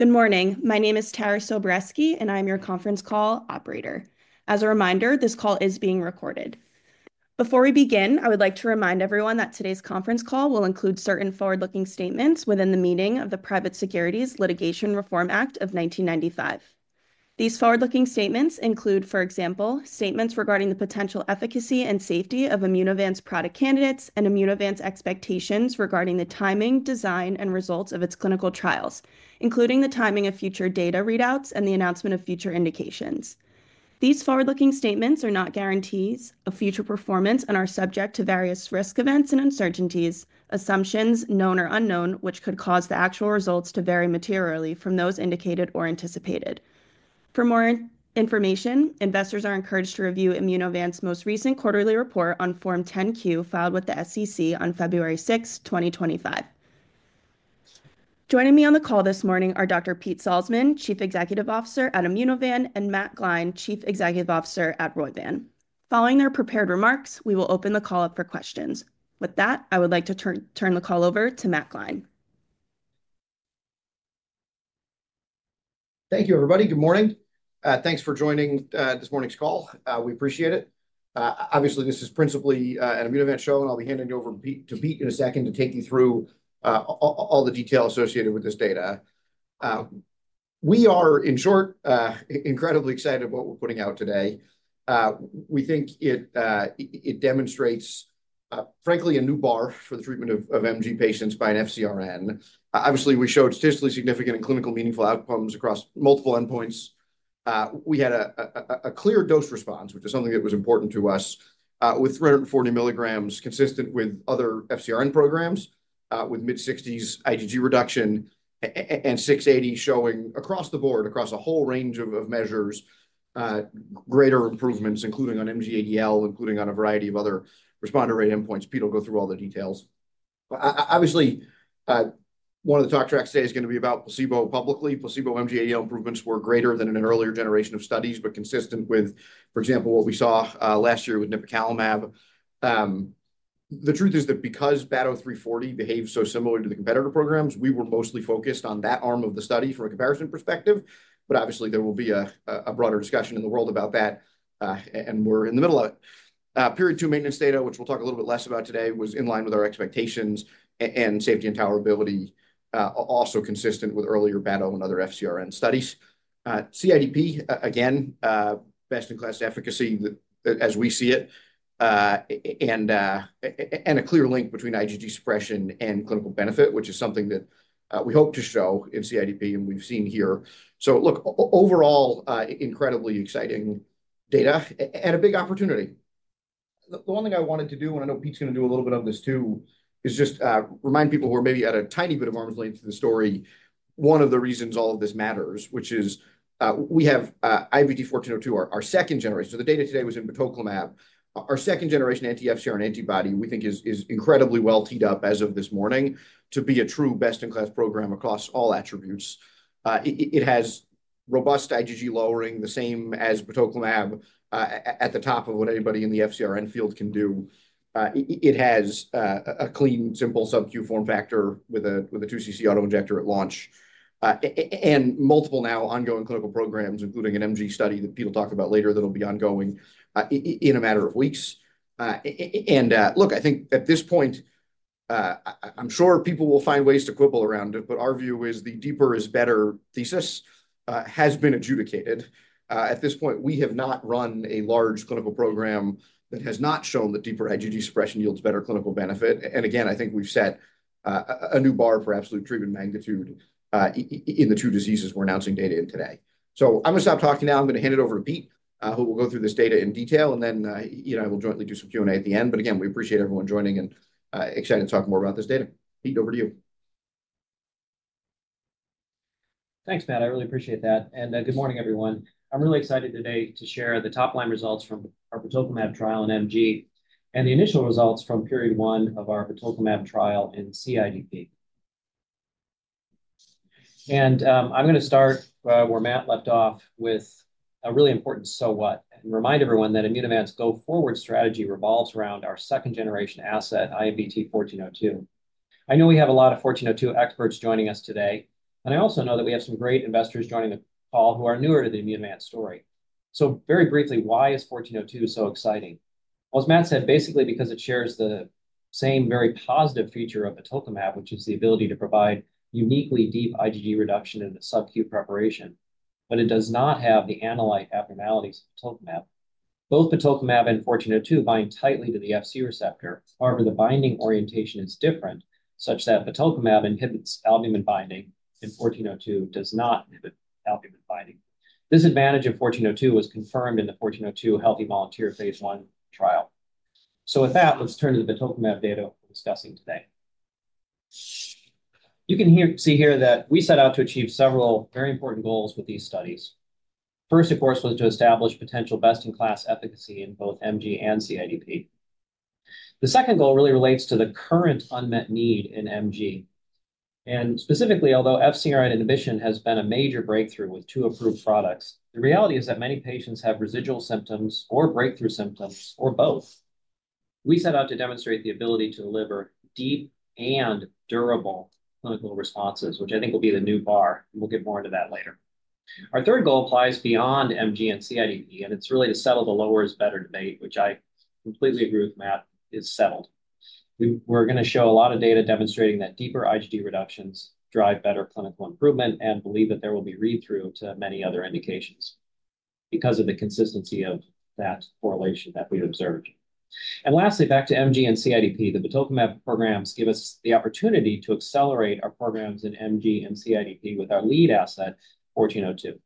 Good morning. My name is Tara Soboreski, and I'm your conference call operator. As a reminder, this call is being recorded. Before we begin, I would like to remind everyone that today's conference call will include certain forward-looking statements within the meaning of the Private Securities Litigation Reform Act of 1995. These forward-looking statements include, for example, statements regarding the potential efficacy and safety of Immunovant's product candidates and Immunovant's expectations regarding the timing, design, and results of its clinical trials, including the timing of future data readouts and the announcement of future indications. These forward-looking statements are not guarantees of future performance and are subject to various risk events and uncertainties, assumptions known or unknown, which could cause the actual results to vary materially from those indicated or anticipated. For more information, investors are encouraged to review Immunovant's most recent quarterly report on Form 10-Q filed with the SEC on February 6, 2025. Joining me on the call this morning are Dr. Pete Salzmann, Chief Executive Officer at Immunovant, and Matt Gline, Chief Executive Officer at Roivant. Following their prepared remarks, we will open the call up for questions. With that, I would like to turn the call over to Matt Gline. Thank you, everybody. Good morning. Thanks for joining this morning's call. We appreciate it. Obviously, this is principally an Immunovant show, and I'll be handing it over to Pete in a second to take you through all the detail associated with this data. We are, in short, incredibly excited about what we're putting out today. We think it demonstrates, frankly, a new bar for the treatment of MG patients by an FcRn. Obviously, we showed statistically significant and clinically meaningful outcomes across multiple endpoints. We had a clear dose response, which is something that was important to us, with 340 mg consistent with other FcRn programs, with mid-60s IgG reduction and 680 showing across the board, across a whole range of measures, greater improvements, including on MG-ADL, including on a variety of other responder rate endpoints. Pete will go through all the details. Obviously, one of the talk tracks today is going to be about placebo publicly. Placebo MG-ADL improvements were greater than in an earlier generation of studies, but consistent with, for example, what we saw last year with Batoclimab. The truth is that because Batoclimab behaved so similar to the competitor programs, we were mostly focused on that arm of the study from a comparison perspective. Obviously, there will be a broader discussion in the world about that, and we're in the middle of it. Period two maintenance data, which we'll talk a little bit less about today, was in line with our expectations and safety and tolerability, also consistent with earlier Batoclimab and other FcRn studies. CIDP, again, best-in-class efficacy as we see it, and a clear link between IgG suppression and clinical benefit, which is something that we hope to show in CIDP and we've seen here. Look, overall, incredibly exciting data and a big opportunity. The one thing I wanted to do, and I know Pete's going to do a little bit of this too, is just remind people who are maybe at a tiny bit of arm's length to the story, one of the reasons all of this matters, which is we have IMVT-IMVT-1402, our second generation. The data today was in Batoclimab. Our second generation anti-FcRn antibody, we think, is incredibly well teed up as of this morning to be a true best-in-class program across all attributes. It has robust IgG lowering, the same as Batoclimab at the top of what anybody in the FcRn field can do. It has a clean, simple subQ form factor with a 2 cc autoinjector at launch and multiple now ongoing clinical programs, including an MG study that Pete will talk about later that will be ongoing in a matter of weeks. Look, I think at this point, I'm sure people will find ways to quibble around it, but our view is the deeper is better thesis has been adjudicated. At this point, we have not run a large clinical program that has not shown that deeper IgG suppression yields better clinical benefit. Again, I think we've set a new bar for absolute treatment magnitude in the two diseases we're announcing data in today. I'm going to stop talking now. I'm going to hand it over to Pete, who will go through this data in detail, and then we'll jointly do some Q&A at the end. Again, we appreciate everyone joining and excited to talk more about this data. Pete, over to you. Thanks, Matt. I really appreciate that. Good morning, everyone. I'm really excited today to share the top-line results from our Batoclimab trial in MG and the initial results from period one of our Batoclimab trial in CIDP. I'm going to start where Matt left off with a really important so what and remind everyone that Immunovant's go-forward strategy revolves around our second-generation asset, IMVT-IMVT-1402. I know we have a lot of IMVT-1402 experts joining us today, and I also know that we have some great investors joining the call who are newer to the Immunovant story. Very briefly, why is IMVT-1402 so exciting? As Matt said, basically because it shares the same very positive feature of Batoclimab, which is the ability to provide uniquely deep IgG reduction in the subQ preparation, but it does not have the analyte abnormalities of Batoclimab. Both Batoclimab and IMVT-1402 bind tightly to the FcRn receptor. However, the binding orientation is different such that Batoclimab inhibits albumin binding and IMVT-1402 does not inhibit albumin binding. This advantage of IMVT-1402 was confirmed in the IMVT-1402 healthy volunteer phase I trial. With that, let's turn to the Batoclimab data we're discussing today. You can see here that we set out to achieve several very important goals with these studies. First, of course, was to establish potential best-in-class efficacy in both MG and CIDP. The second goal really relates to the current unmet need in MG. Specifically, although FcRn inhibition has been a major breakthrough with two approved products, the reality is that many patients have residual symptoms or breakthrough symptoms or both. We set out to demonstrate the ability to deliver deep and durable clinical responses, which I think will be the new bar. We'll get more into that later. Our third goal applies beyond MG and CIDP, and it's really to settle the lower is better debate, which I completely agree with Matt is settled. We're going to show a lot of data demonstrating that deeper IgG reductions drive better clinical improvement and believe that there will be read-through to many other indications because of the consistency of that correlation that we observed. Lastly, back to MG and CIDP, the Batoclimab programs give us the opportunity to accelerate our programs in MG and CIDP with our lead asset, IMVT-IMVT-1402.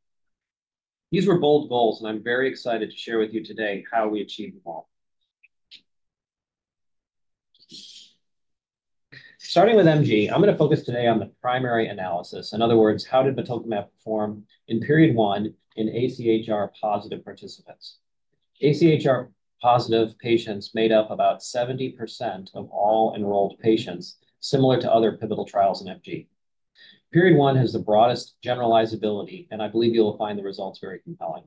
These were bold goals, and I'm very excited to share with you today how we achieved them all. Starting with MG, I'm going to focus today on the primary analysis. In other words, how did Batoclimab perform in period one in AChR-positive participants? AChR-positive patients made up about 70% of all enrolled patients, similar to other pivotal trials in MG. Period one has the broadest generalizability, and I believe you'll find the results very compelling.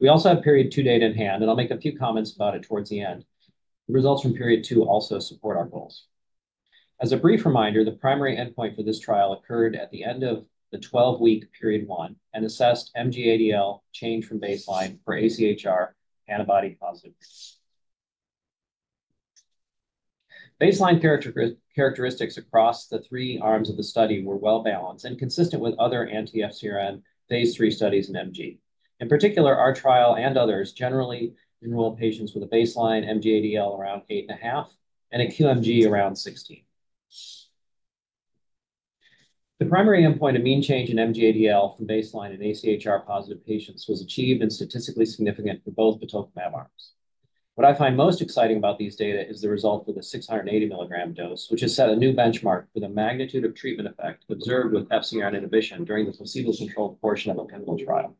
We also have period two data in hand, and I'll make a few comments about it towards the end. The results from period two also support our goals. As a brief reminder, the primary endpoint for this trial occurred at the end of the 12-week period one and assessed MG-ADL change from baseline for AChR antibody-positive. Baseline characteristics across the three arms of the study were well balanced and consistent with other anti-FcRn phase III studies in MG. In particular, our trial and others generally enroll patients with a baseline MG-ADL around 8.5 and a QMG around 16. The primary endpoint of mean change in MG-ADL from baseline in AChR-positive patients was achieved and statistically significant for both Batoclimab arms. What I find most exciting about these data is the result for the 680 mg dose, which has set a new benchmark for the magnitude of treatment effect observed with FcRn inhibition during the placebo-controlled portion of a clinical trial.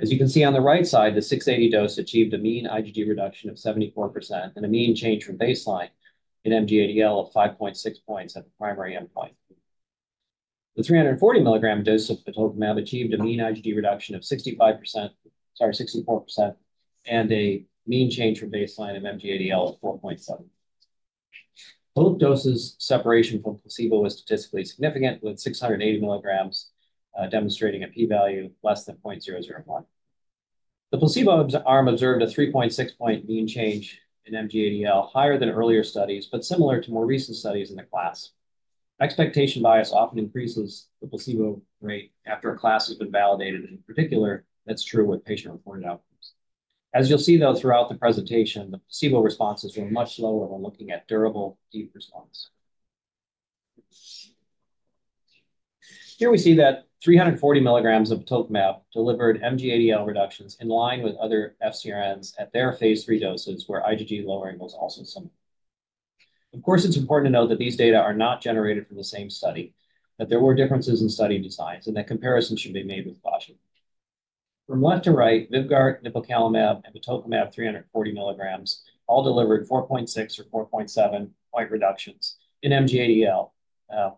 As you can see on the right side, the 680 dose achieved a mean IgG reduction of 74% and a mean change from baseline in MG-ADL of 5.6 points at the primary endpoint. The 340 mg dose of Batoclimab achieved a mean IgG reduction of 65%, sorry, 64%, and a mean change from baseline of MG-ADL of 4.7. Both doses' separation from placebo was statistically significant, with 680 mg demonstrating a p-value less than 0.001. The placebo arm observed a 3.6-point mean change in MG-ADL, higher than earlier studies, but similar to more recent studies in the class. Expectation bias often increases the placebo rate after a class has been validated, and in particular, that's true with patient-reported outcomes. As you'll see, though, throughout the presentation, the placebo responses were much lower when looking at durable deep response. Here we see that 340 mg of Batoclimab delivered MG-ADL reductions in line with other FcRn inhibitors at their phase III doses, where IgG lowering was also similar. Of course, it's important to note that these data are not generated from the same study, that there were differences in study designs, and that comparison should be made with caution. From left to right, VYVGART, efgartigimod, and Batoclimab 340 mg all delivered 4.6- or 4.7-point reductions in MG-ADL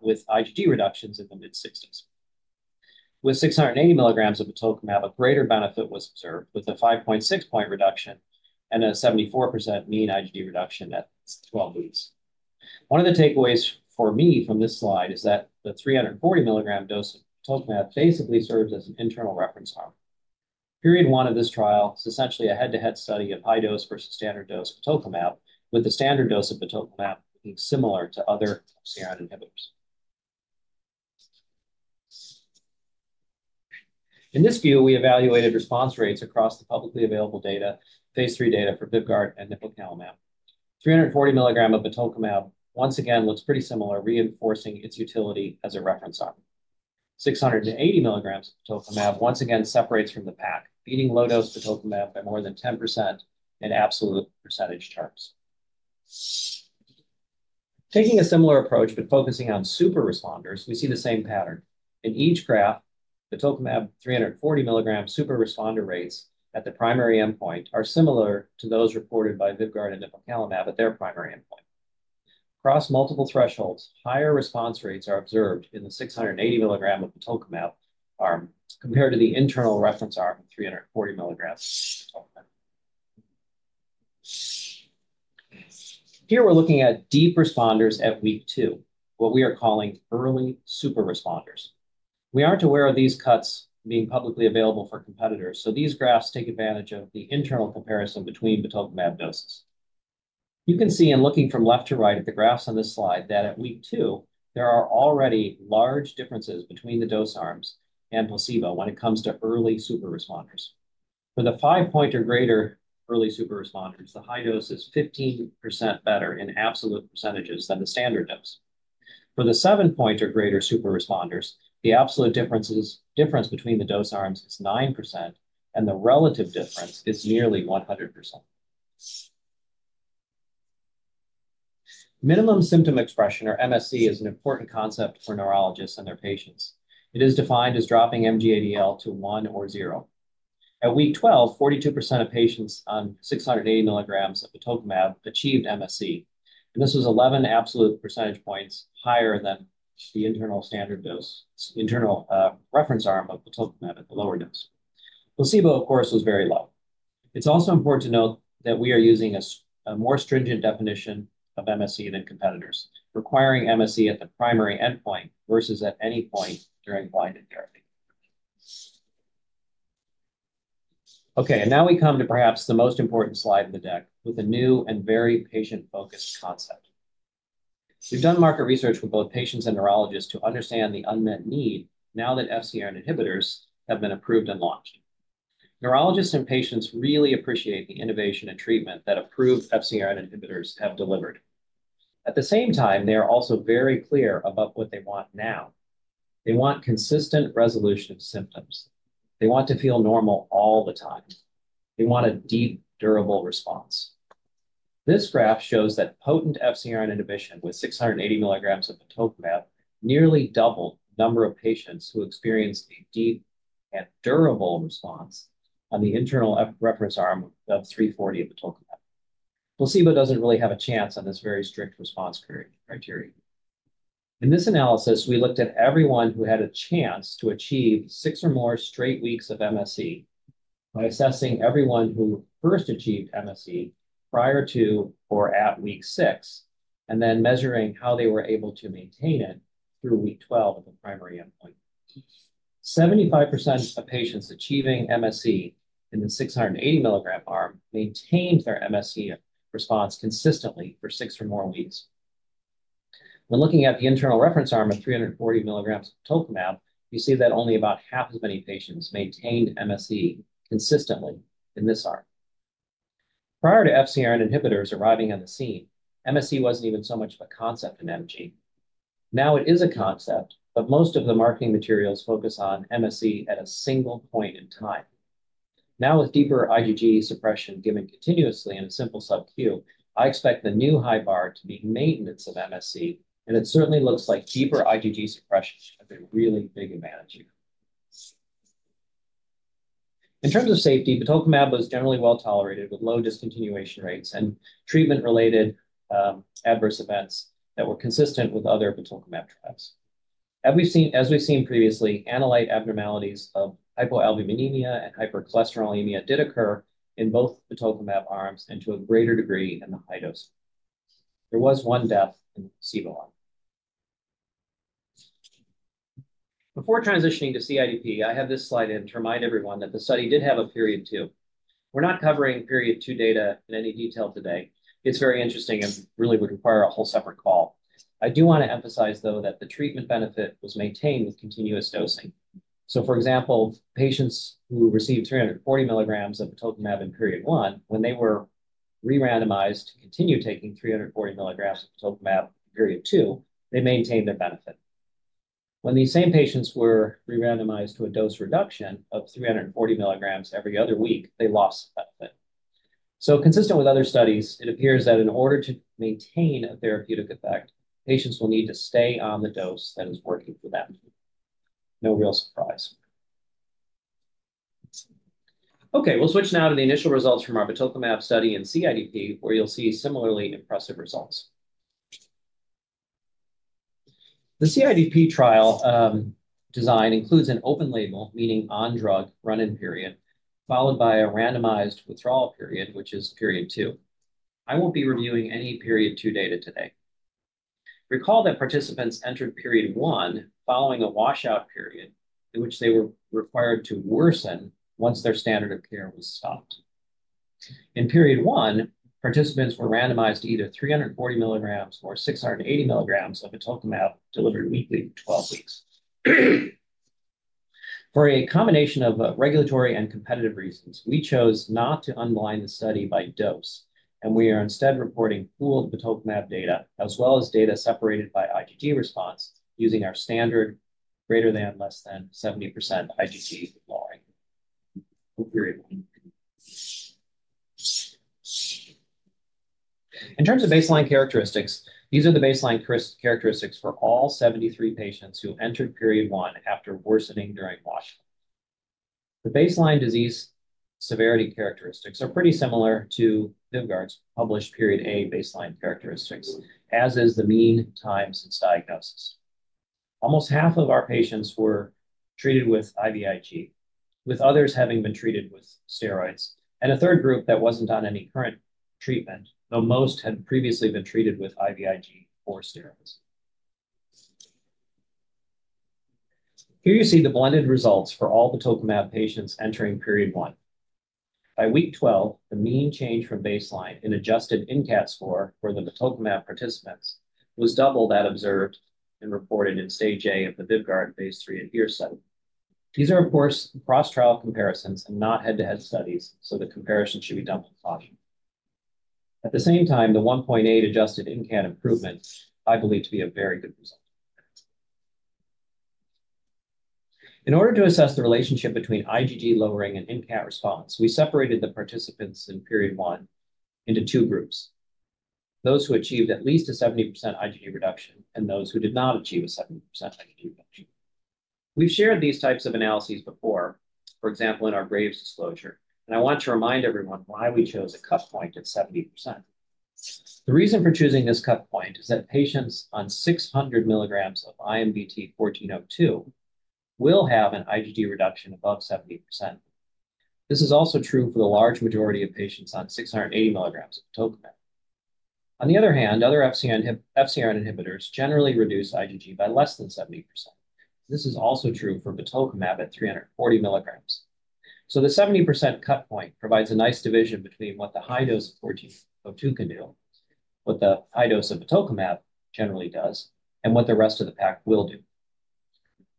with IgG reductions in the mid-60s. With 680 mg of Batoclimab, a greater benefit was observed with a 5.6-point reduction and a 74% mean IgG reduction at 12 weeks. One of the takeaways for me from this slide is that the 340 mg dose of Batoclimab basically serves as an internal reference arm. Period one of this trial is essentially a head-to-head study of high dose versus standard dose Batoclimab, with the standard dose of Batoclimab being similar to other FcRn inhibitors. In this view, we evaluated response rates across the publicly available data, phase III data for VYVGART and Batoclimab. 340 mg of Batoclimab once again looks pretty similar, reinforcing its utility as a reference arm. 680 mg of Batoclimab once again separates from the pack, beating low-dose Batoclimab by more than 10% in absolute percentage terms. Taking a similar approach, but focusing on super responders, we see the same pattern. In each graph, Batoclimab 340 mg super responder rates at the primary endpoint are similar to those reported by VYVGART and Batoclimab at their primary endpoint. Across multiple thresholds, higher response rates are observed in the 680 mg of Batoclimab arm compared to the internal reference arm of 340 mg. Here we're looking at deep responders at week two, what we are calling early super responders. We aren't aware of these cuts being publicly available for competitors, so these graphs take advantage of the internal comparison between Batoclimab doses. You can see in looking from left to right at the graphs on this slide that at week two, there are already large differences between the dose arms and placebo when it comes to early super responders. For the 5-point or greater early super responders, the high dose is 15% better in absolute percentages than the standard dose. For the seven-pointer greater super responders, the absolute difference between the dose arms is 9%, and the relative difference is nearly 100%. Minimum symptom expression, or MSE, is an important concept for neurologists and their patients. It is defined as dropping MG-ADL to 1 or 0. At week 12, 42% of patients on 680 mg of Batoclimab achieved MSE, and this was 11 absolute percentage points higher than the internal standard dose, internal reference arm of Batoclimab at the lower dose. Placebo, of course, was very low. It is also important to note that we are using a more stringent definition of MSE than competitors, requiring MSE at the primary endpoint versus at any point during blinded therapy. Okay, now we come to perhaps the most important slide in the deck with a new and very patient-focused concept. We've done market research with both patients and neurologists to understand the unmet need now that FcRn inhibitors have been approved and launched. Neurologists and patients really appreciate the innovation and treatment that approved FcRn inhibitors have delivered. At the same time, they are also very clear about what they want now. They want consistent resolution of symptoms. They want to feel normal all the time. They want a deep, durable response. This graph shows that potent FcRn inhibition with 680 mg of Batoclimab nearly doubled the number of patients who experienced a deep and durable response on the internal reference arm of 340 of Batoclimab. Placebo doesn't really have a chance on this very strict response criterion. In this analysis, we looked at everyone who had a chance to achieve six or more straight weeks of MSE by assessing everyone who first achieved MSE prior to or at week six and then measuring how they were able to maintain it through week 12 at the primary endpoint. 75% of patients achieving MSE in the 680 mg arm maintained their MSE response consistently for six or more weeks. When looking at the internal reference arm of 340 mg of Batoclimab, you see that only about half as many patients maintained MSE consistently in this arm. Prior to FcRn inhibitors arriving on the scene, MSE was not even so much of a concept in MG. Now it is a concept, but most of the marketing materials focus on MSE at a single point in time. Now, with deeper IgG suppression given continuously in a simple subQ, I expect the new high bar to be maintenance of MSE, and it certainly looks like deeper IgG suppression has a really big advantage here. In terms of safety, Batoclimab was generally well tolerated with low discontinuation rates and treatment-related adverse events that were consistent with other Batoclimab trials. As we've seen previously, analyte abnormalities of hypoalbuminemia and hypercholesterolemia did occur in both Batoclimab arms and to a greater degree in the high dose. There was one death in the placebo arm. Before transitioning to CIDP, I have this slide in to remind everyone that the study did have a period two. We're not covering period two data in any detail today. It's very interesting and really would require a whole separate call. I do want to emphasize, though, that the treatment benefit was maintained with continuous dosing. For example, patients who received 340 mg of Batoclimab in period one, when they were re-randomized to continue taking 340 mg of Batoclimab in period two, they maintained their benefit. When these same patients were re-randomized to a dose reduction of 340 mg every other week, they lost benefit. Consistent with other studies, it appears that in order to maintain a therapeutic effect, patients will need to stay on the dose that is working for them. No real surprise. We will switch now to the initial results from our Batoclimab study in CIDP, where you will see similarly impressive results. The CIDP trial design includes an open label, meaning on-drug run-in period, followed by a randomized withdrawal period, which is period two. I will not be reviewing any period two data today. Recall that participants entered period one following a washout period in which they were required to worsen once their standard of care was stopped. In period one, participants were randomized to either 340 mg or 680 mg of Batoclimab delivered weekly for 12 weeks. For a combination of regulatory and competitive reasons, we chose not to underline the study by dose, and we are instead reporting pooled Batoclimab data as well as data separated by IgG response using our standard greater than less than 70% IgG withdrawing. In terms of baseline characteristics, these are the baseline characteristics for all 73 patients who entered period one after worsening during washout. The baseline disease severity characteristics are pretty similar to VYVGART's published period A baseline characteristics, as is the mean time since diagnosis. Almost half of our patients were treated with IVIG, with others having been treated with steroids, and a third group that wasn't on any current treatment, though most had previously been treated with IVIG or steroids. Here you see the blended results for all Batoclimab patients entering period one. By week 12, the mean change from baseline in adjusted INCAT score for the Batoclimab participants was double that observed and reported in stage A of the VYVGART phase III ADHERE study. These are, of course, cross-trial comparisons and not head-to-head studies, so the comparison should be done with caution. At the same time, the 1.8 adjusted INCAT improvement, I believe, to be a very good result. In order to assess the relationship between IgG lowering and INCAT response, we separated the participants in period one into two groups: those who achieved at least a 70% IgG reduction and those who did not achieve a 70% IgG reduction. We've shared these types of analyses before, for example, in our Graves' disclosure, and I want to remind everyone why we chose a cut point at 70%. The reason for choosing this cut point is that patients on 600 mg of IMVT-IMVT-1402 will have an IgG reduction above 70%. This is also true for the large majority of patients on 680 mg of Batoclimab. On the other hand, other FcRn inhibitors generally reduce IgG by less than 70%. This is also true for Batoclimab at 340 mg. The 70% cut point provides a nice division between what the high dose of IMVT-1402 can do, what the high dose of Batoclimab generally does, and what the rest of the pack will do.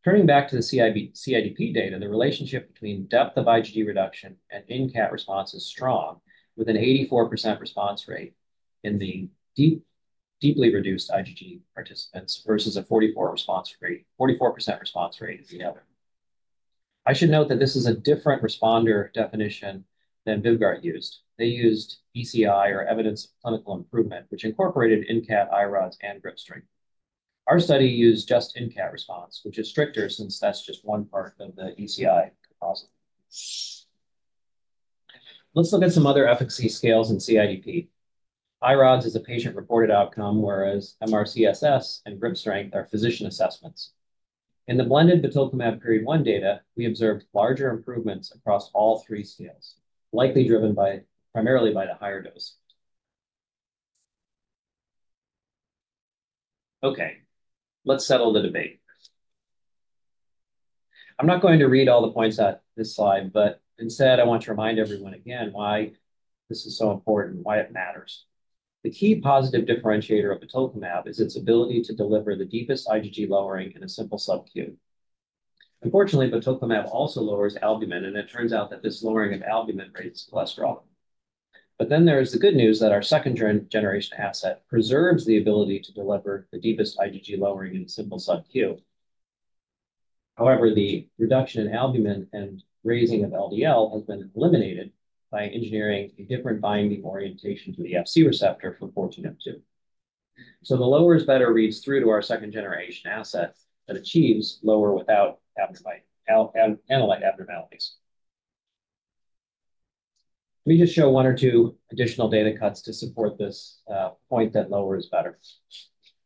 Turning back to the CIDP data, the relationship between depth of IgG reduction and INCAT response is strong, with an 84% response rate in the deeply reduced IgG participants versus a 44% response rate in the other. I should note that this is a different responder definition than VYVGART used. They used ECI, or evidence of clinical improvement, which incorporated INCAT, iRODS, and grip strength. Our study used just INCAT response, which is stricter since that's just one part of the ECI composite. Let's look at some other efficacy scales in CIDP. iRODS is a patient-reported outcome, whereas MRCSS and grip strength are physician assessments. In the blended Batoclimab period one data, we observed larger improvements across all three scales, likely driven primarily by the higher dose. Okay, let's settle the debate. I'm not going to read all the points at this slide, but instead, I want to remind everyone again why this is so important, why it matters. The key positive differentiator of Batoclimab is its ability to deliver the deepest IgG lowering in a simple subQ. Unfortunately, Batoclimab also lowers albumin, and it turns out that this lowering of albumin raises cholesterol. There is the good news that our second-generation asset preserves the ability to deliver the deepest IgG lowering in a simple subQ. However, the reduction in albumin and raising of LDL has been eliminated by engineering a different binding orientation to the FcRn receptor for IMVT-IMVT-1402. The lower is better reads through to our second-generation asset that achieves lower without analyte abnormalities. Let me just show one or two additional data cuts to support this point that lower is better.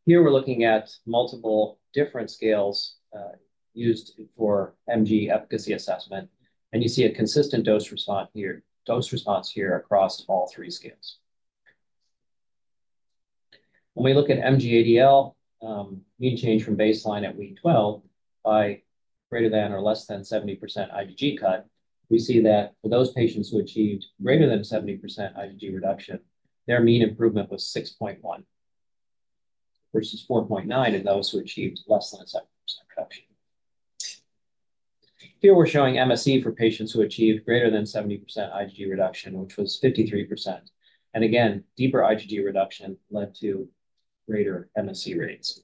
Here we are looking at multiple different scales used for MG efficacy assessment, and you see a consistent dose response here across all three scales. When we look at MG-ADL, mean change from baseline at week 12 by greater than or less than 70% IgG cut, we see that for those patients who achieved greater than 70% IgG reduction, their mean improvement was 6.1 versus 4.9 in those who achieved less than 70% reduction. Here we are showing MSE for patients who achieved greater than 70% IgG reduction, which was 53%. Again, deeper IgG reduction led to greater MSE rates.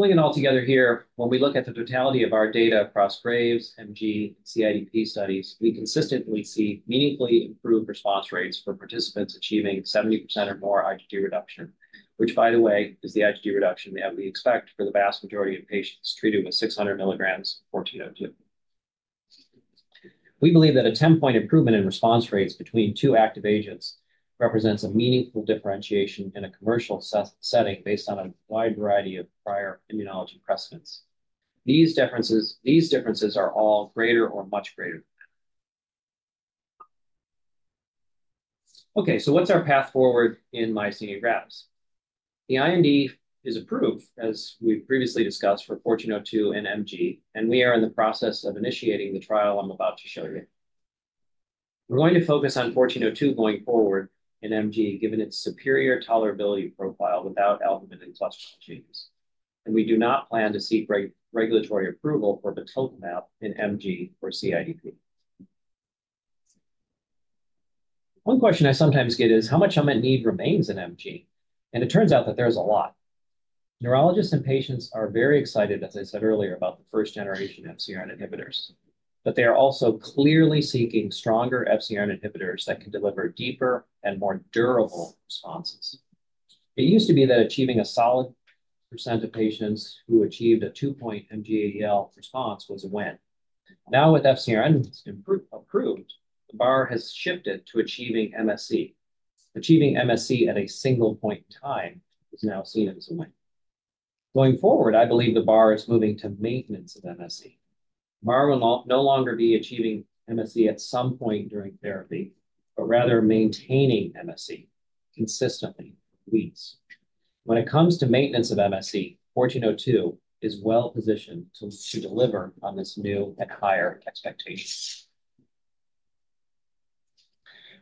Pulling it all together here, when we look at the totality of our data across Graves, MG, and CIDP studies, we consistently see meaningfully improved response rates for participants achieving 70% or more IgG reduction, which, by the way, is the IgG reduction we expect for the vast majority of patients treated with 600 mg of IMVT-1402. We believe that a 10-point improvement in response rates between two active agents represents a meaningful differentiation in a commercial setting based on a wide variety of prior immunology precedents. These differences are all greater or much greater than that. Okay, what is our path forward in Myasthenia gravis? The IND is approved, as we've previously discussed, for IMVT-1402 and MG, and we are in the process of initiating the trial I'm about to show you. We're going to focus on IMVT-1402 going forward in MG, given its superior tolerability profile without albumin and cholesterol changes. We do not plan to seek regulatory approval for Batoclimab in MG or CIDP. One question I sometimes get is, how much unmet need remains in MG? It turns out that there is a lot. Neurologists and patients are very excited, as I said earlier, about the first-generation FcRn inhibitors, but they are also clearly seeking stronger FcRn inhibitors that can deliver deeper and more durable responses. It used to be that achieving a solid percent of patients who achieved a 2-point MG-ADL response was a win. Now, with FcRn approved, the bar has shifted to achieving MSE. Achieving MSE at a single point in time is now seen as a win. Going forward, I believe the bar is moving to maintenance of MSE. The bar will no longer be achieving MSE at some point during therapy, but rather maintaining MSE consistently for weeks. When it comes to maintenance of MSE, IMVT-1402 is well positioned to deliver on this new and higher expectation.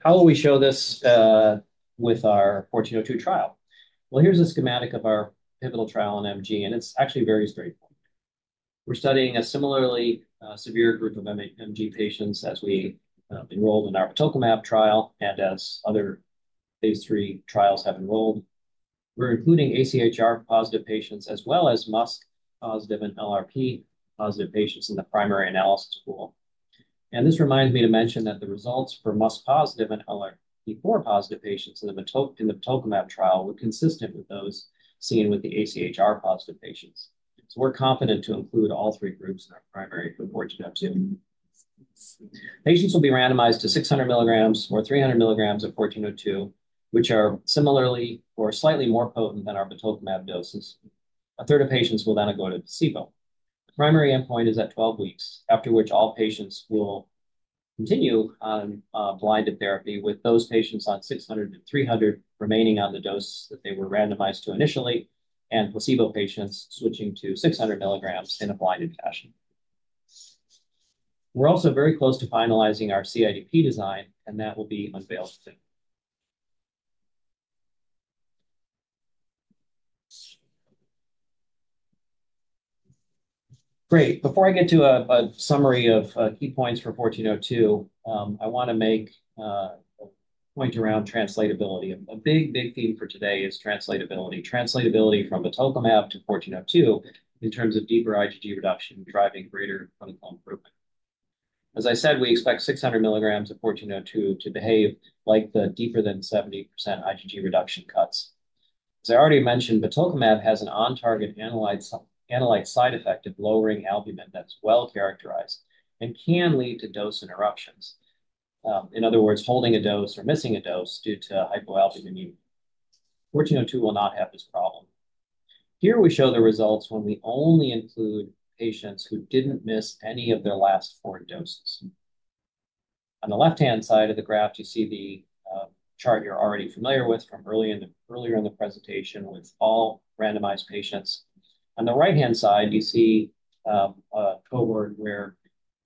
How will we show this with our IMVT-1402 trial? Here is a schematic of our pivotal trial in MG, and it is actually very straightforward. We are studying a similarly severe group of MG patients as we enrolled in our Batoclimab trial and as other phase III trials have enrolled. We are including AChR-positive patients as well as MuSK-positive and LRP4-positive patients in the primary analysis pool. This reminds me to mention that the results for MuSK-positive and LRP4-positive patients in the Batoclimab trial were consistent with those seen with the AChR-positive patients. We are confident to include all three groups in our primary for IMVT-1402. Patients will be randomized to 600 mg or 300 mg of IMVT-1402, which are similarly or slightly more potent than our Batoclimab doses. A third of patients will then go to placebo. The primary endpoint is at 12 weeks, after which all patients will continue on blinded therapy with those patients on 600 and 300 remaining on the doses that they were randomized to initially, and placebo patients switching to 600 mg in a blinded fashion. We're also very close to finalizing our CIDP design, and that will be unveiled soon. Great. Before I get to a summary of key points for IMVT-1402, I want to make a point around translatability. A big, big theme for today is translatability. Translatability from Batoclimab to IMVT-1402 in terms of deeper IgG reduction driving greater clinical improvement. As I said, we expect 600 mg of IMVT-1402 to behave like the deeper than 70% IgG reduction cuts. As I already mentioned, Batoclimab has an on-target analyte side effect of lowering albumin that's well characterized and can lead to dose interruptions. In other words, holding a dose or missing a dose due to hypoalbuminemia. IMVT-1402 will not have this problem. Here we show the results when we only include patients who didn't miss any of their last four doses. On the left-hand side of the graph, you see the chart you're already familiar with from earlier in the presentation with all randomized patients. On the right-hand side, you see a cohort where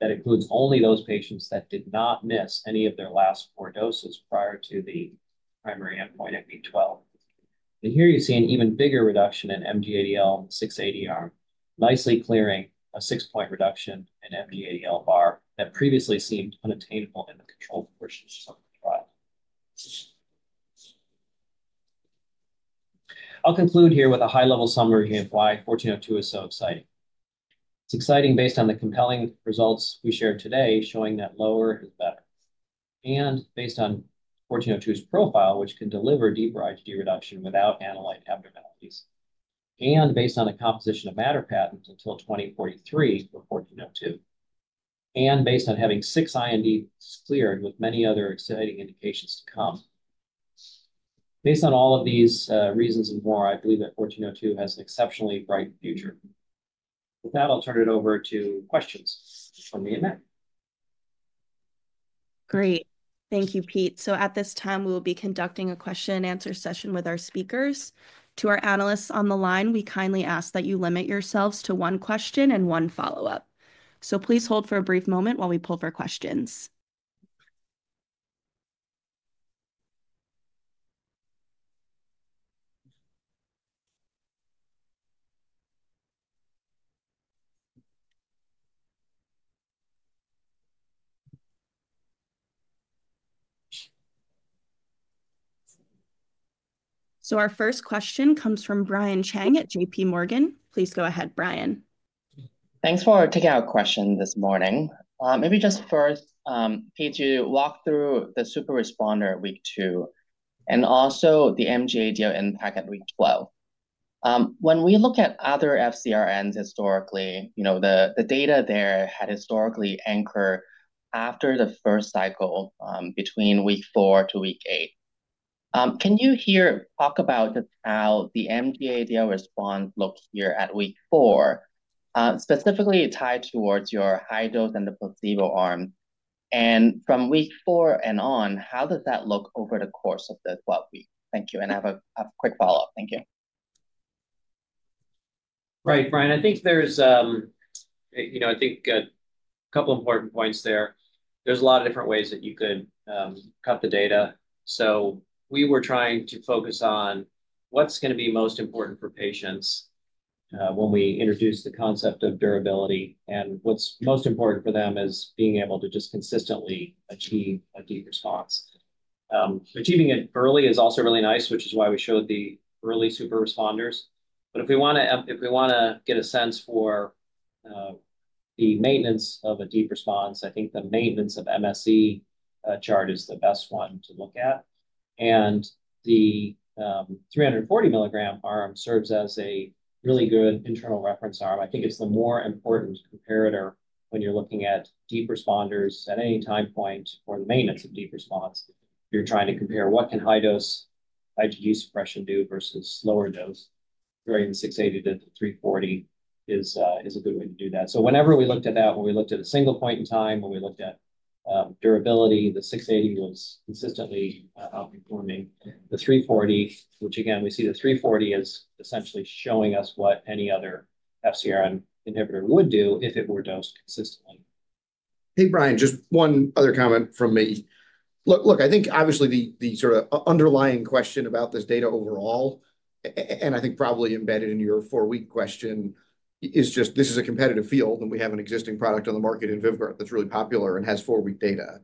that includes only those patients that did not miss any of their last four doses prior to the primary endpoint at week 12. Here you see an even bigger reduction in MG-ADL 680R, nicely clearing a 6-point reduction in MG-ADL bar that previously seemed unattainable in the controlled portions of the trial. I'll conclude here with a high-level summary of why IMVT-1402 is so exciting. It's exciting based on the compelling results we shared today showing that lower is better. Based on IMVT-1402's profile, which can deliver deeper IgG reduction without analyte abnormalities. Based on the composition of matter patents until 2043 for IMVT-1402. Based on having six INDs cleared with many other exciting indications to come. Based on all of these reasons and more, I believe that IMVT-1402 has an exceptionally bright future. With that, I'll turn it over to questions from me and Matt. Great. Thank you, Pete. At this time, we will be conducting a question-and-answer session with our speakers. To our analysts on the line, we kindly ask that you limit yourselves to one question and one follow-up. Please hold for a brief moment while we pull for questions. Our first question comes from Brian Cheng at JPMorgan. Please go ahead, Brian. Thanks for taking our question this morning. Maybe just first, Pete, to walk through the super responder at week two and also the MG-ADL impact at week 12. When we look at other FcRns historically, the data there had historically anchored after the first cycle between week four to week eight. Can you talk about just how the MG-ADL response looks here at week four, specifically tied towards your high dose and the placebo arm? From week four and on, how does that look over the course of the 12 weeks? Thank you. I have a quick follow-up. Thank you. Right, Brian. I think there's a couple of important points there. There's a lot of different ways that you could cut the data. We were trying to focus on what's going to be most important for patients when we introduce the concept of durability. What's most important for them is being able to just consistently achieve a deep response. Achieving it early is also really nice, which is why we showed the early super responders. If we want to get a sense for the maintenance of a deep response, I think the maintenance of MSE chart is the best one to look at. The 340 mg arm serves as a really good internal reference arm. I think it's the more important comparator when you're looking at deep responders at any time point or the maintenance of deep response. You're trying to compare what can high-dose IgG suppression do versus lower dose during the 680 mg-340 mg is a good way to do that. Whenever we looked at that, when we looked at a single point in time, when we looked at durability, the 680 was consistently outperforming the 340, which again, we see the 340 is essentially showing us what any other FcRn inhibitor would do if it were dosed consistently. Hey, Brian, just one other comment from me. Look, I think obviously the sort of underlying question about this data overall, and I think probably embedded in your four-week question, is just this is a competitive field and we have an existing product on the market in VYVGART that's really popular and has four-week data.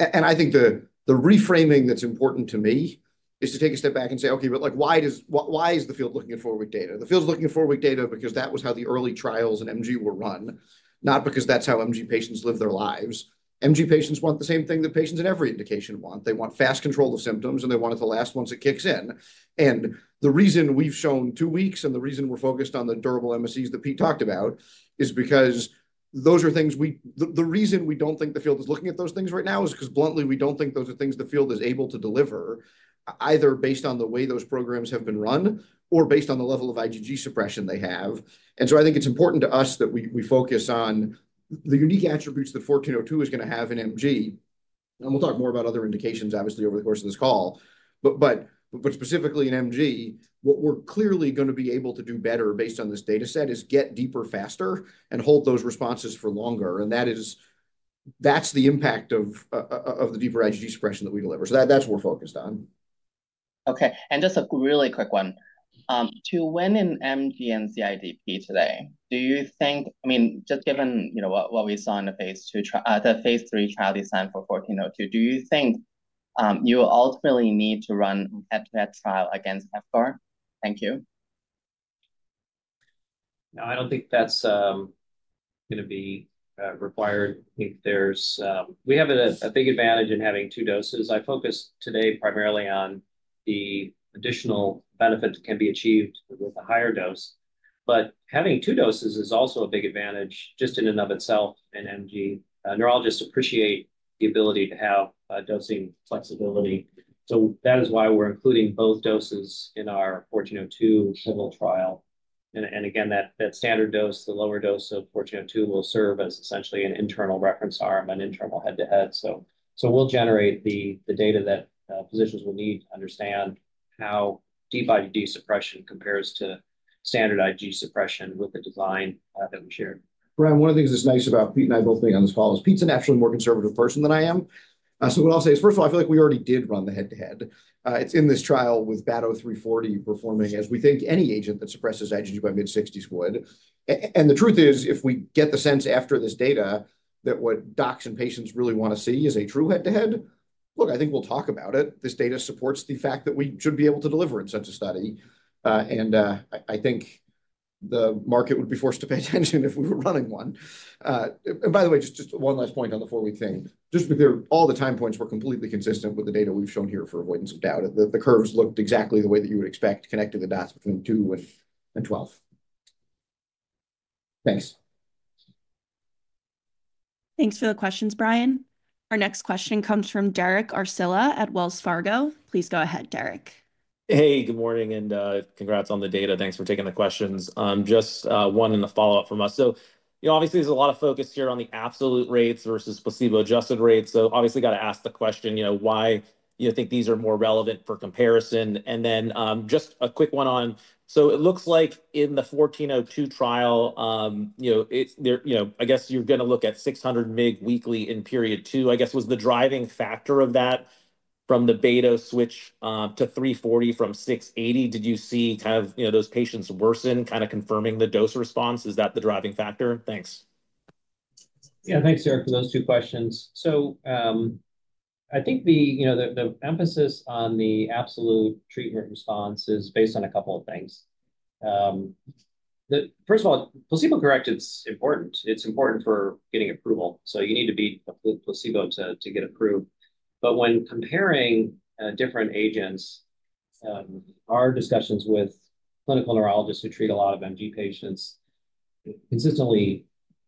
I think the reframing that's important to me is to take a step back and say, okay, but why is the field looking at four-week data? The field's looking at four-week data because that was how the early trials in MG were run, not because that's how MG patients live their lives. MG patients want the same thing that patients in every indication want. They want fast control of symptoms, and they want it to last once it kicks in. The reason we've shown two weeks and the reason we're focused on the durable MSEs that Pete talked about is because those are things we, the reason we don't think the field is looking at those things right now is because, bluntly, we don't think those are things the field is able to deliver, either based on the way those programs have been run or based on the level of IgG suppression they have. I think it's important to us that we focus on the unique attributes that IMVT-1402 is going to have in MG. We'll talk more about other indications, obviously, over the course of this call. Specifically in MG, what we're clearly going to be able to do better based on this dataset is get deeper faster and hold those responses for longer. That is the impact of the deeper IgG suppression that we deliver. That is what we are focused on. Okay. Just a really quick one. To win in MG and CIDP today, do you think, I mean, just given what we saw in the phase II, the phase III trial design for IMVT-1402, do you think you will ultimately need to run a head-to-head trial against VYVGART? Thank you. No, I do not think that is going to be required. We have a big advantage in having two doses. I focused today primarily on the additional benefit that can be achieved with a higher dose. Having two doses is also a big advantage just in and of itself in MG. Neurologists appreciate the ability to have dosing flexibility. That is why we are including both doses in our IMVT-1402 pivotal trial. Again, that standard dose, the lower dose of IMVT-1402 will serve as essentially an internal reference arm and internal head-to-head. We'll generate the data that physicians will need to understand how deep IgG suppression compares to standard IgG suppression with the design that we shared. Brian, one of the things that's nice about Pete and I both being on this call is Pete's an actually more conservative person than I am. What I'll say is, first of all, I feel like we already did run the head-to-head. It's in this trial with BATO 340 performing as we think any agent that suppresses IgG by mid-60s would. The truth is, if we get the sense after this data that what docs and patients really want to see is a true head-to-head, look, I think we'll talk about it. This data supports the fact that we should be able to deliver in such a study. I think the market would be forced to pay attention if we were running one. By the way, just one last point on the four-week thing. Just to be clear, all the time points were completely consistent with the data we've shown here for avoidance of doubt. The curves looked exactly the way that you would expect connecting the dots between 2 and 12. Thanks. Thanks for the questions, Brian. Our next question comes from Derek Archila at Wells Fargo. Please go ahead, Derek. Hey, good morning and congrats on the data. Thanks for taking the questions. Just one in the follow-up from us. Obviously, there's a lot of focus here on the absolute rates versus placebo-adjusted rates. Obviously, got to ask the question, why do you think these are more relevant for comparison? And then just a quick one on, it looks like in the IMVT-1402 trial, I guess you're going to look at 600 mg weekly in period two, I guess, was the driving factor of that from the BATO switch to 340 mg from 680 mg. Did you see kind of those patients worsen, kind of confirming the dose response? Is that the driving factor? Thanks. Yeah, thanks, Derek, for those two questions. I think the emphasis on the absolute treatment response is based on a couple of things. First of all, placebo-correct, it's important. It's important for getting approval. You need to be placebo to get approved. When comparing different agents, our discussions with clinical neurologists who treat a lot of MG patients consistently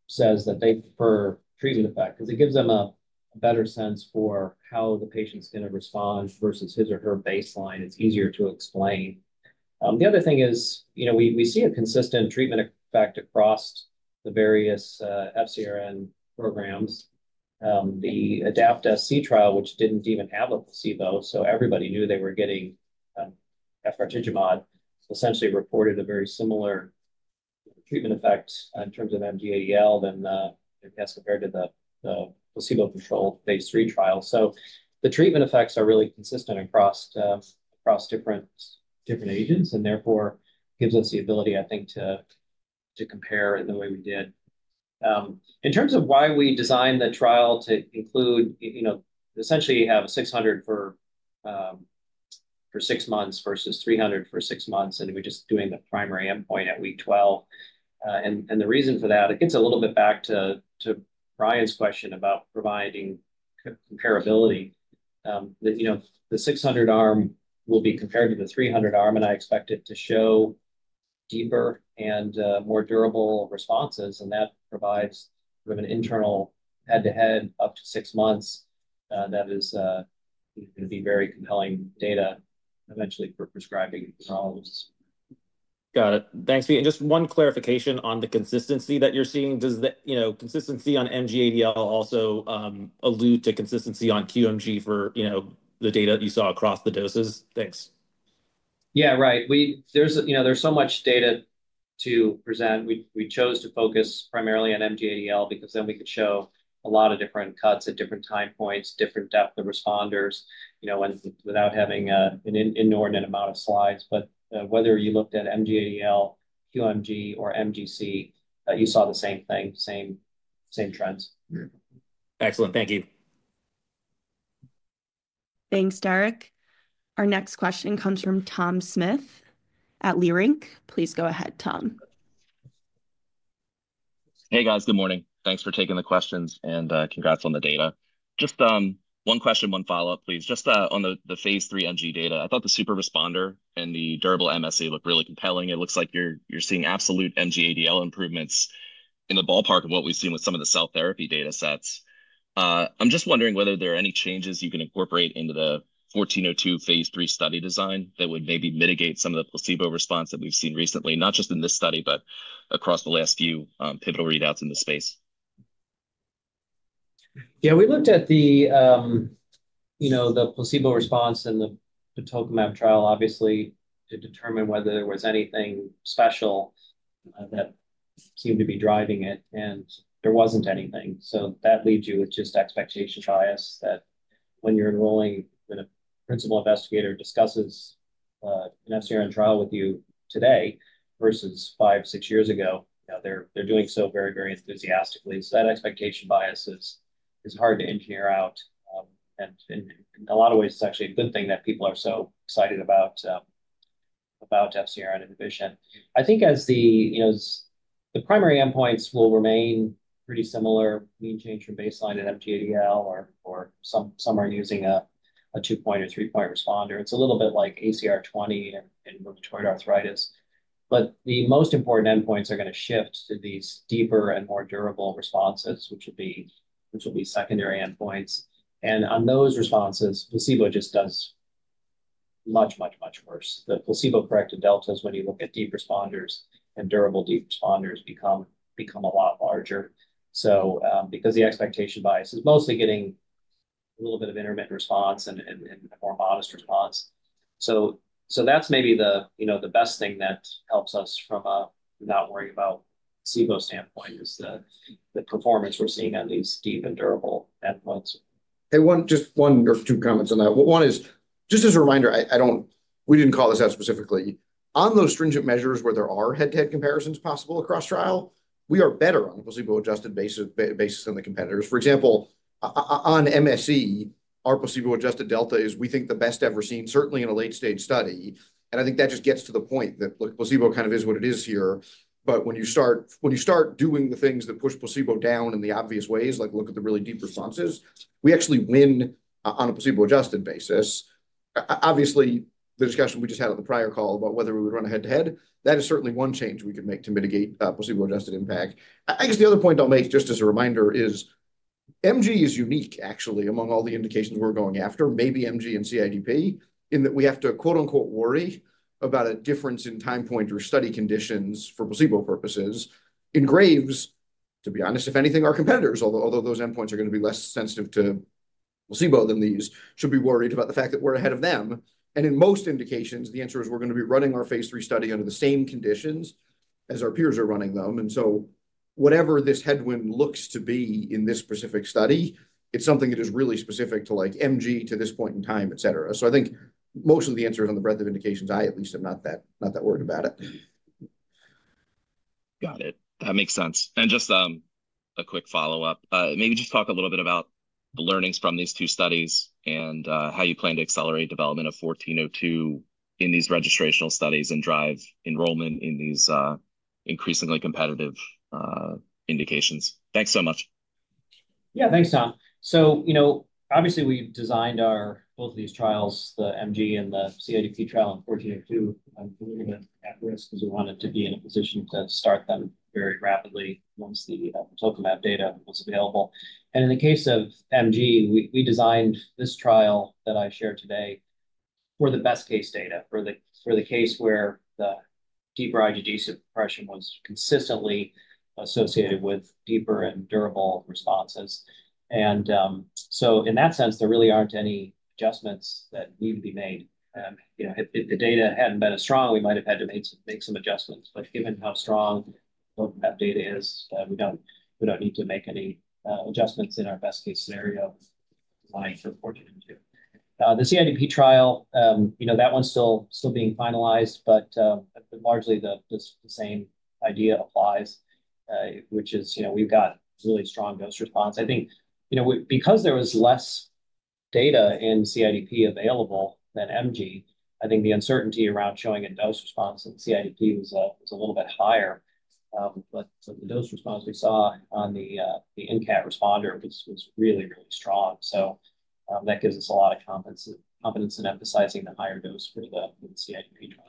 say that they prefer treatment effect because it gives them a better sense for how the patient's going to respond versus his or her baseline. It's easier to explain. The other thing is we see a consistent treatment effect across the various FcRn programs. The ADAPT-SC trial, which did not even have a placebo, so everybody knew they were getting efgartigimod, essentially reported a very similar treatment effect in terms of MG-ADL as compared to the placebo-controlled phase III trial. The treatment effects are really consistent across different agents and therefore gives us the ability, I think, to compare in the way we did. In terms of why we designed the trial to include, essentially, have 600 mg for six months versus 300 mg for six months, we're just doing the primary endpoint at week 12. The reason for that, it gets a little bit back to Brian's question about providing comparability. The 600 arm will be compared to the 300 mg arm, and I expect it to show deeper and more durable responses. That provides sort of an internal head-to-head up to six months that is going to be very compelling data eventually for prescribing neurologists. Got it. Thanks, Pete. Just one clarification on the consistency that you're seeing. Does consistency on MG-ADL also allude to consistency on QMG for the data that you saw across the doses? Thanks. Yeah, right. There's so much data to present. We chose to focus primarily on MG-ADL because then we could show a lot of different cuts at different time points, different depth of responders without having an inordinate amount of slides. Whether you looked at MG-ADL, QMG, or MGC, you saw the same thing, same trends. Excellent. Thank you. Thanks, Derek. Our next question comes from Tom Smith at Leerink. Please go ahead, Tom. Hey, guys. Good morning. Thanks for taking the questions and congrats on the data. Just one question, one follow-up, please. Just on the phase III MG data, I thought the super responder and the durable MSE looked really compelling. It looks like you're seeing absolute MG-ADL improvements in the ballpark of what we've seen with some of the cell therapy datasets. I'm just wondering whether there are any changes you can incorporate into the IMVT-1402 phase III study design that would maybe mitigate some of the placebo response that we've seen recently, not just in this study, but across the last few pivotal readouts in the space. Yeah, we looked at the placebo response in the Batoclimab trial, obviously, to determine whether there was anything special that seemed to be driving it. And there wasn't anything. That leaves you with just expectation bias that when you're enrolling and a principal investigator discusses an FcRn trial with you today versus five, six years ago, they're doing so very, very enthusiastically. That expectation bias is hard to engineer out. In a lot of ways, it's actually a good thing that people are so excited about FcRn inhibition. I think as the primary endpoints will remain pretty similar, mean change from baseline in MG-ADL, or some are using a two-point or three-point responder. It's a little bit like ACR-20 in rheumatoid arthritis. The most important endpoints are going to shift to these deeper and more durable responses, which will be secondary endpoints. On those responses, placebo just does much, much, much worse. The placebo-corrected deltas when you look at deep responders and durable deep responders become a lot larger. The expectation bias is mostly getting a little bit of intermittent response and a more modest response. That's maybe the best thing that helps us from a not worrying about placebo standpoint is the performance we're seeing on these deep and durable endpoints. Hey, just one or two comments on that. One is, just as a reminder, we didn't call this out specifically. On those stringent measures where there are head-to-head comparisons possible across trial, we are better on a placebo-adjusted basis than the competitors. For example, on MSE, our placebo-adjusted delta is, we think, the best ever seen, certainly in a late-stage study. I think that just gets to the point that, look, placebo kind of is what it is here. When you start doing the things that push placebo down in the obvious ways, like look at the really deep responses, we actually win on a placebo-adjusted basis. Obviously, the discussion we just had at the prior call about whether we would run a head-to-head, that is certainly one change we could make to mitigate placebo-adjusted impact. I guess the other point I'll make, just as a reminder, is MG is unique, actually, among all the indications we're going after, maybe MG and CIDP, in that we have to "worry" about a difference in time point or study conditions for placebo purposes. In Graves, to be honest, if anything, our competitors, although those endpoints are going to be less sensitive to placebo than these, should be worried about the fact that we're ahead of them. In most indications, the answer is we're going to be running our phase III study under the same conditions as our peers are running them. Whatever this headwind looks to be in this specific study, it's something that is really specific to MG to this point in time, etc. I think most of the answer is on the breadth of indications. I at least am not that worried about it. Got it. That makes sense. Just a quick follow-up. Maybe just talk a little bit about the learnings from these two studies and how you plan to accelerate development of IMVT-1402 in these registrational studies and drive enrollment in these increasingly competitive indications. Thanks so much. Yeah, thanks, Tom. Obviously, we've designed both of these trials, the MG and the CIDP trial and IMVT-1402, a little bit at risk because we wanted to be in a position to start them very rapidly once the Batoclimab data was available. In the case of MG, we designed this trial that I shared today for the best-case data, for the case where the deeper IgG suppression was consistently associated with deeper and durable responses. In that sense, there really aren't any adjustments that need to be made. If the data had not been as strong, we might have had to make some adjustments. Given how strong Batoclimab data is, we do not need to make any adjustments in our best-case scenario for IMVT-1402. The CIDP trial, that one is still being finalized, but largely the same idea applies, which is we have got really strong dose response. I think because there was less data in CIDP available than MG, the uncertainty around showing a dose response in CIDP was a little bit higher. The dose response we saw on the INCAT responder was really, really strong. That gives us a lot of confidence in emphasizing the higher dose for the CIDP trial.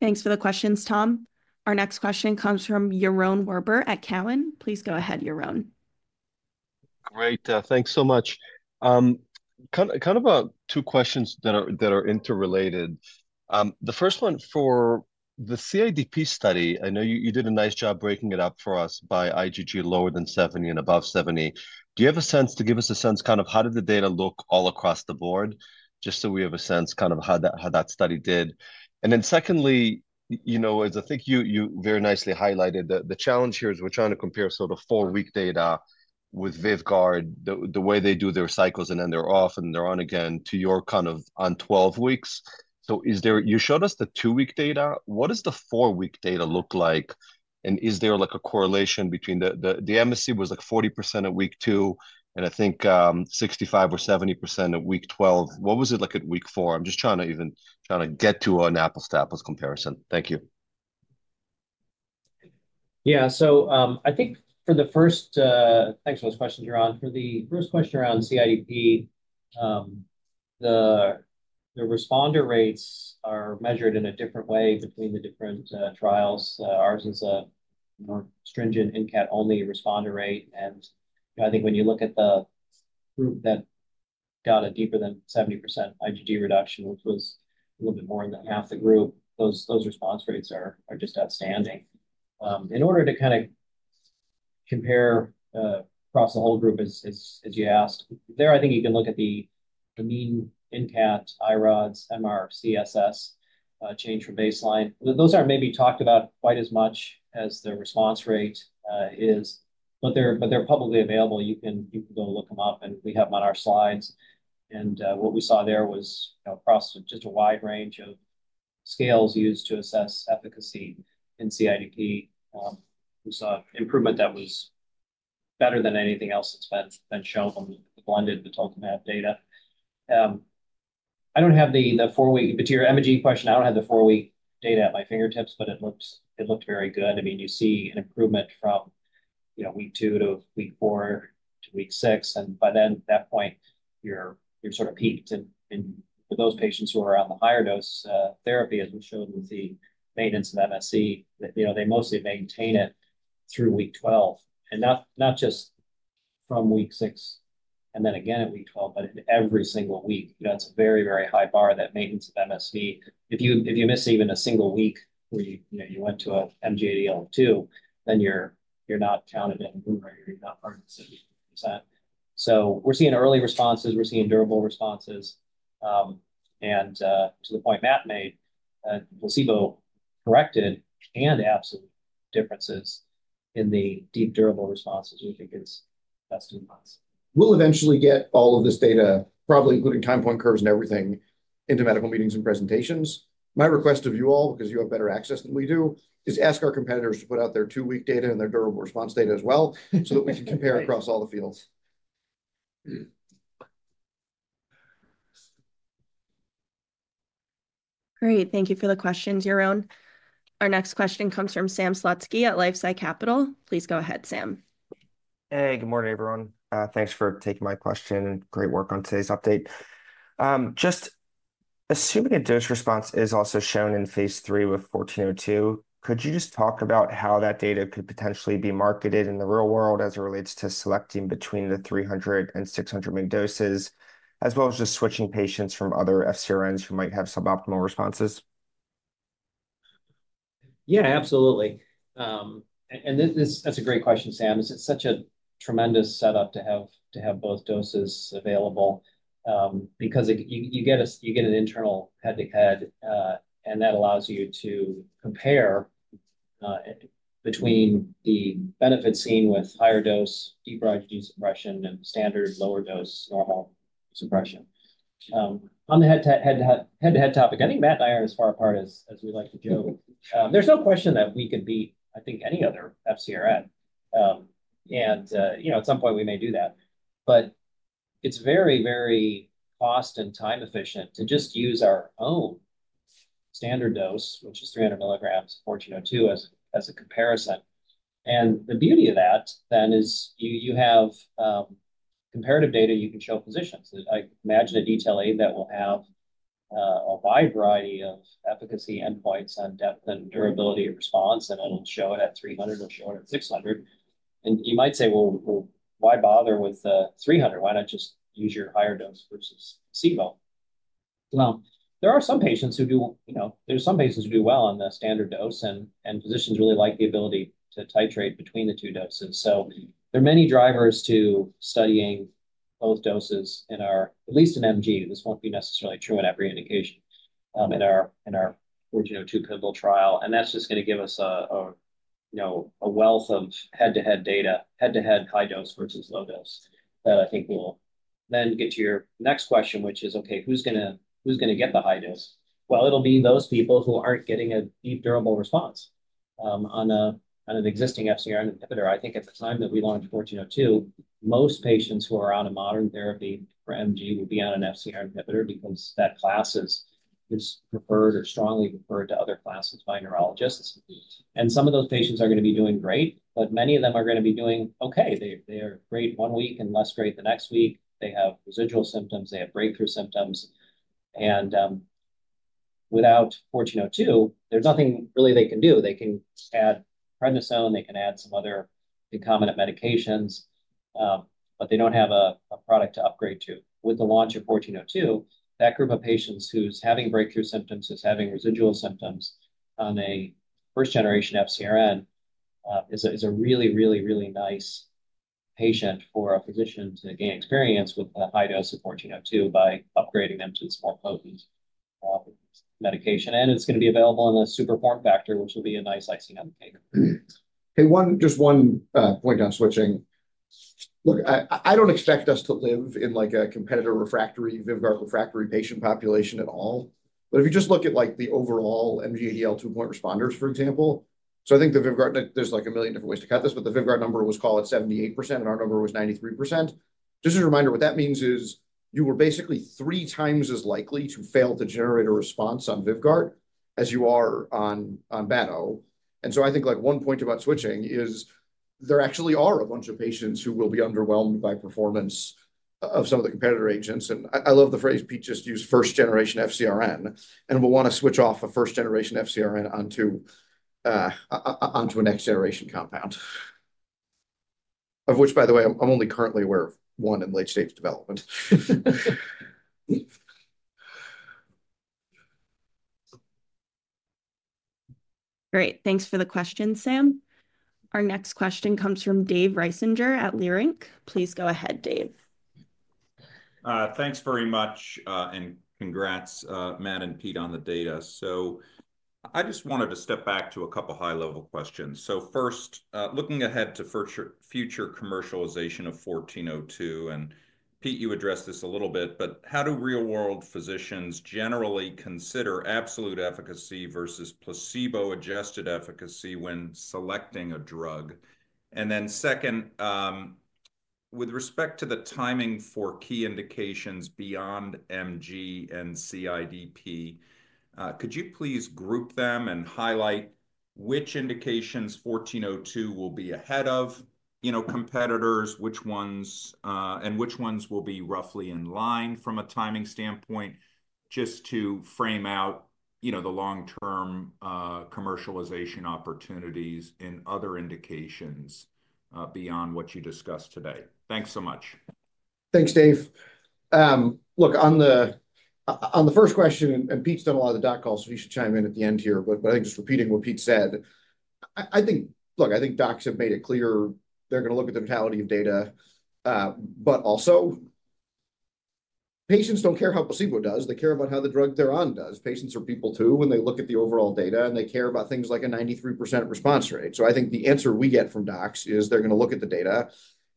Thanks for the questions, Tom. Our next question comes from Yaron Werber at Cowen. Please go ahead, Yaron. Great. Thanks so much. Kind of two questions that are interrelated. The first one, for the CIDP study, I know you did a nice job breaking it up for us by IgG lower than 70 and above 70. Do you have a sense to give us a sense kind of how did the data look all across the board, just so we have a sense kind of how that study did? Secondly, as I think you very nicely highlighted, the challenge here is we're trying to compare sort of four-week data with VYVGART, the way they do their cycles, and then they're off, and they're on again to your kind of on 12 weeks. You showed us the two-week data. What does the four-week data look like? Is there a correlation between the MSE was like 40% at week two, and I think 65% or 70% at week 12? What was it like at week four? I'm just trying to even trying to get to an apples-to-apples comparison. Thank you. Yeah. I think for the first, thanks for those questions, Yaron. For the first question around CIDP, the responder rates are measured in a different way between the different trials. Ours is a more stringent INCAT-only responder rate. I think when you look at the group that got a deeper than 70% IgG reduction, which was a little bit more than half the group, those response rates are just outstanding. In order to kind of compare across the whole group, as you asked, there, I think you can look at the mean INCAT, iRODS, MRCSS change from baseline. Those aren't maybe talked about quite as much as the response rate is, but they're publicly available. You can go look them up, and we have them on our slides. What we saw there was across just a wide range of scales used to assess efficacy in CIDP. We saw improvement that was better than anything else that's been shown, blended Batoclimab data. I don't have the four-week, but your MG question, I don't have the four-week data at my fingertips, but it looked very good. I mean, you see an improvement from week two to week four to week six. By then, at that point, you're sort of peaked. For those patients who are on the higher dose therapy, as we showed with the maintenance of MSE, they mostly maintain it through week 12. Not just from week six and then again at week 12, but in every single week, that's a very, very high bar, that maintenance of MSE. If you miss even a single week where you went to an MG-ADL of two, then you're not counted in, or you're not part of the 70%. We are seeing early responses. We are seeing durable responses. To the point Matt made, placebo-corrected and absolute differences in the deep durable responses, we think is best in class. We will eventually get all of this data, probably including time point curves and everything, into medical meetings and presentations. My request of you all, because you have better access than we do, is ask our competitors to put out their two-week data and their durable response data as well so that we can compare across all the fields. Great. Thank you for the questions, Yaron. Our next question comes from Sam Slutsky at LifeSci Capital.Please go ahead, Sam. Hey, good morning, everyone. Thanks for taking my question and great work on today's update. Just assuming a dose response is also shown in phase III with IMVT-1402, could you just talk about how that data could potentially be marketed in the real world as it relates to selecting between the 300 mg and 600-mg doses, as well as just switching patients from other FcRNs who might have suboptimal responses? Yeah, absolutely. That's a great question, Sam. It's such a tremendous setup to have both doses available because you get an internal head-to-head, and that allows you to compare between the benefits seen with higher dose deeper IgG suppression and standard lower dose normal suppression. On the head-to-head topic, I think Matt and I are as far apart as we like to joke. There's no question that we could beat, I think, any other FcRN. At some point, we may do that. It is very, very cost and time efficient to just use our own standard dose, which is 300 mg, IMVT-1402, as a comparison. The beauty of that, then, is you have comparative data you can show physicians. I imagine a DTLA that will have a wide variety of efficacy endpoints on depth and durability of response, and it will show it at 300 mg or show it at 600 mg. You might say, "Why bother with 300 mg? Why not just use your higher dose versus placebo?" There are some patients who do well on the standard dose, and physicians really like the ability to titrate between the two doses. There are many drivers to studying both doses in our, at least in MG. This will not be necessarily true in every indication in our IMVT-1402 pivotal trial. That is just going to give us a wealth of head-to-head data, head-to-head high dose versus low dose. I think we will then get to your next question, which is, "Okay, who is going to get the high dose?" It will be those people who are not getting a deep durable response. On an existing FcRn inhibitor, I think at the time that we launched IMVT-1402, most patients who are on a modern therapy for MG will be on an FcRn inhibitor because that class is preferred or strongly preferred to other classes by neurologists. Some of those patients are going to be doing great, but many of them are going to be doing okay. They are great one week and less great the next week. They have residual symptoms. They have breakthrough symptoms. Without IMVT-1402, there is nothing really they can do. They can add prednisone. They can add some other concomitant medications, but they do not have a product to upgrade to. With the launch of IMVT-1402, that group of patients who is having breakthrough symptoms, who is having residual symptoms on a first-generation FcRn is a really, really, really nice patient for a physician to gain experience with the high dose of IMVT-1402 by upgrading them to this more potent medication. It is going to be available in a super form factor, which will be a nice icing on the cake. Hey, just one point on switching. Look, I do not expect us to live in a competitor refractory, VYVGART refractory patient population at all. If you just look at the overall MG-ADL 2-point responders, for example, I think there are a million different ways to count this, but the VYVGART number was called at 78%, and our number was 93%. Just as a reminder, what that means is you were basically 3x as likely to fail to generate a response on VYVGART as you are on Batoclimab. I think one point about switching is there actually are a bunch of patients who will be underwhelmed by performance of some of the competitor agents. I love the phrase Pete just used, first-generation FcRn, and will want to switch off a first-generation FcRn onto a next-generation compound, of which, by the way, I'm only currently aware of one in late-stage development. Great. Thanks for the question, Sam. Our next question comes from Dave Reisinger at Leerink. Please go ahead, Dave. Thanks very much, and congrats, Matt and Pete, on the data. I just wanted to step back to a couple of high-level questions. First, looking ahead to future commercialization of IMVT-1402, and Pete, you addressed this a little bit, but how do real-world physicians generally consider absolute efficacy versus placebo-adjusted efficacy when selecting a drug? Second, with respect to the timing for key indications beyond MG and CIDP, could you please group them and highlight which indications IMVT-1402 will be ahead of competitors, which ones, and which ones will be roughly in line from a timing standpoint, just to frame out the long-term commercialization opportunities in other indications beyond what you discussed today? Thanks so much. Thanks, Dave. Look, on the first question, and Pete's done a lot of the doc calls, so he should chime in at the end here, but I think just repeating what Pete said, I think, look, I think docs have made it clear they're going to look at the totality of data, but also, patients don't care how placebo does. They care about how the drug they're on does. Patients are people too when they look at the overall data, and they care about things like a 93% response rate. I think the answer we get from docs is they're going to look at the data,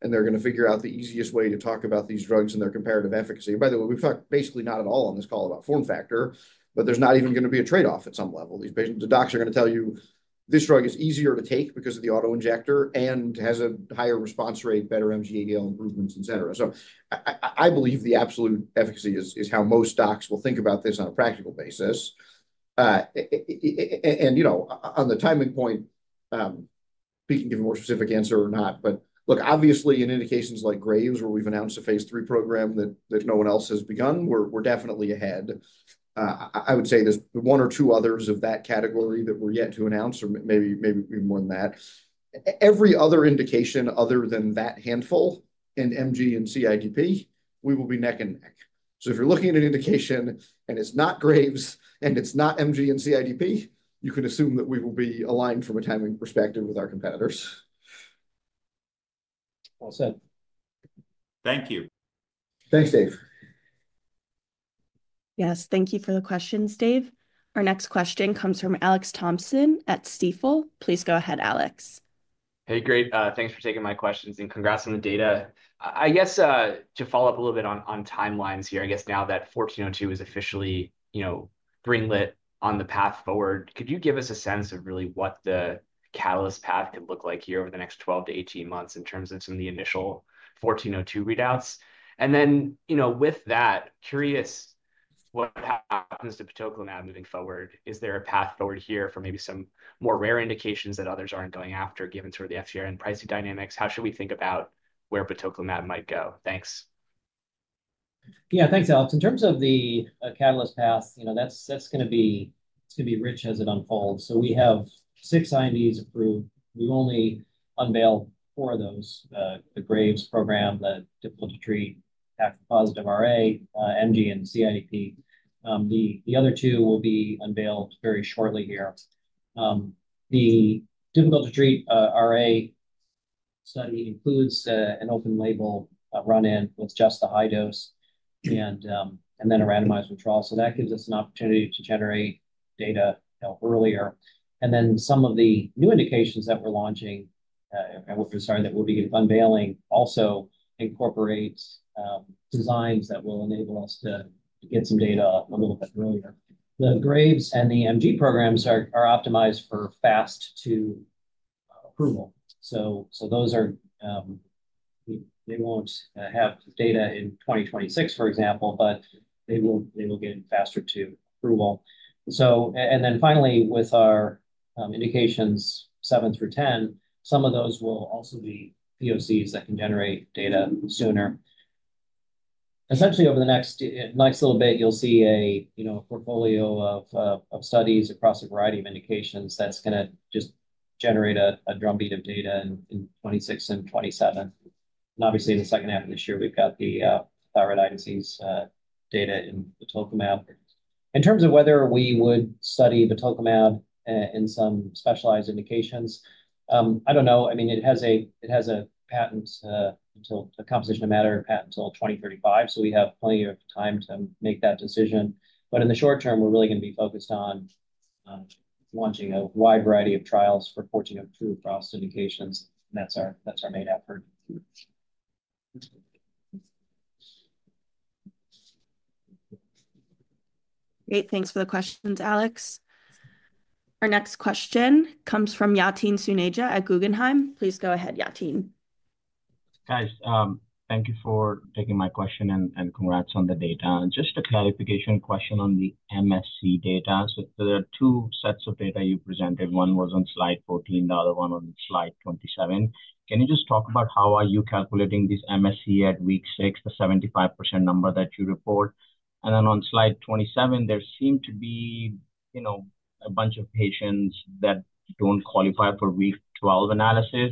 and they're going to figure out the easiest way to talk about these drugs and their comparative efficacy. By the way, we've talked basically not at all on this call about form factor, but there's not even going to be a trade-off at some level. The docs are going to tell you this drug is easier to take because of the autoinjector and has a higher response rate, better MG-ADL improvements, etc. I believe the absolute efficacy is how most docs will think about this on a practical basis. On the timing point, Pete can give a more specific answer or not, but look, obviously, in indications like Graves, where we've announced a phase III program that no one else has begun, we're definitely ahead. I would say there's one or two others of that category that we're yet to announce, or maybe even more than that. Every other indication other than that handful in MG and CIDP, we will be neck and neck. If you're looking at an indication and it's not Graves and it's not MG and CIDP, you can assume that we will be aligned from a timing perspective with our competitors. Thank you. Thanks, Dave. Yes. Thank you for the questions, Dave. Our next question comes from Alex Thompson at Stifel. Please go ahead, Alex. Great. Thanks for taking my questions and congrats on the data. I guess to follow up a little bit on timelines here, I guess now that IMVT-1402 is officially greenlit on the path forward, could you give us a sense of really what the catalyst path could look like here over the next 12-18 months in terms of some of the initial IMVT-1402 readouts? And then with that, curious what happens to patel-camab moving forward? Is there a path forward here for maybe some more rare indications that others aren't going after given sort of the FcRn pricing dynamics? How should we think about where Batoclimab might go? Thanks. Yeah, thanks, Alex. In terms of the catalyst path, that's going to be rich as it unfolds. We have six INDs approved. We've only unveiled four of those: the Graves program, the difficult-to-treat pathophobic RA, MG, and CIDP. The other two will be unveiled very shortly here. The difficult-to-treat RA study includes an open-label run-in with just the high dose and then a randomized withdrawal. That gives us an opportunity to generate data earlier. Some of the new indications that we're launching, sorry, that we'll be unveiling also incorporate designs that will enable us to get some data a little bit earlier. The Graves and the MG programs are optimized for fast-to-approval. Those are they won't have data in 2026, for example, but they will get faster-to-approval. Finally, with our indications 7 through 10, some of those will also be POCs that can generate data sooner. Essentially, over the next nice little bit, you'll see a portfolio of studies across a variety of indications that's going to just generate a drumbeat of data in 2026 and 2027. Obviously, in the second half of this year, we've got the thyroid eye disease data in Batoclimab. In terms of whether we would study Batoclimab in some specialized indications, I don't know. I mean, it has a composition of matter patent until 2035. We have plenty of time to make that decision. In the short term, we're really going to be focused on launching a wide variety of trials for IMVT-1402 cross-indications. That's our main effort. Great. Thanks for the questions, Alex. Our next question comes from Yatin Suneja at Guggenheim. Please go ahead, Yatin. Hi. Thank you for taking my question and congrats on the data. Just a clarification question on the MSE data. There are two sets of data you presented. One was on slide 14, the other one on slide 27. Can you just talk about how you are calculating these MSE at week 6, the 75% number that you report? On slide 27, there seem to be a bunch of patients that do not qualify for week 12 analysis.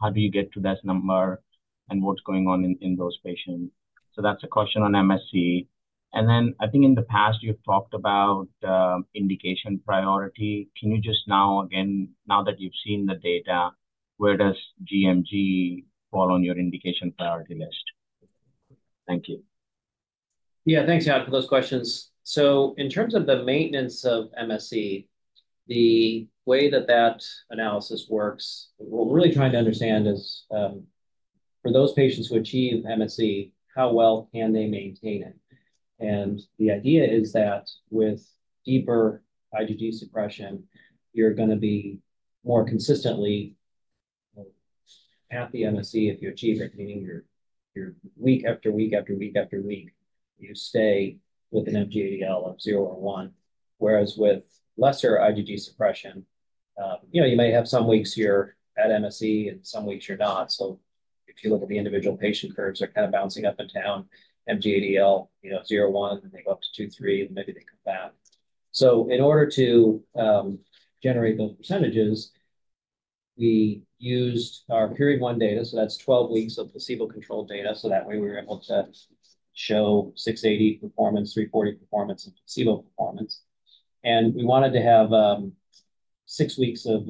How do you get to this number, and what is going on in those patients? That is a question on MSE. I think in the past, you have talked about indication priority. Can you just now, again, now that you've seen the data, where does GMG fall on your indication priority list? Thank you. Yeah, thanks, Alex, for those questions. In terms of the maintenance of MSE, the way that that analysis works, what we're really trying to understand is for those patients who achieve MSE, how well can they maintain it? The idea is that with deeper IgG suppression, you're going to be more consistently at the MSE if you achieve it, meaning week after week after week, you stay with an MG-ADL of 0 or 1, whereas with lesser IgG suppression, you may have some weeks you're at MSE and some weeks you're not. If you look at the individual patient curves, they're kind of bouncing up and down. MG-ADL 0, 1, and they go up to 2, 3, and maybe they come back. In order to generate those percentages, we used our PERI-1 data. That is 12 weeks of placebo-controlled data. That way, we were able to show 680 performance, 340 performance, and placebo performance. We wanted to have six weeks of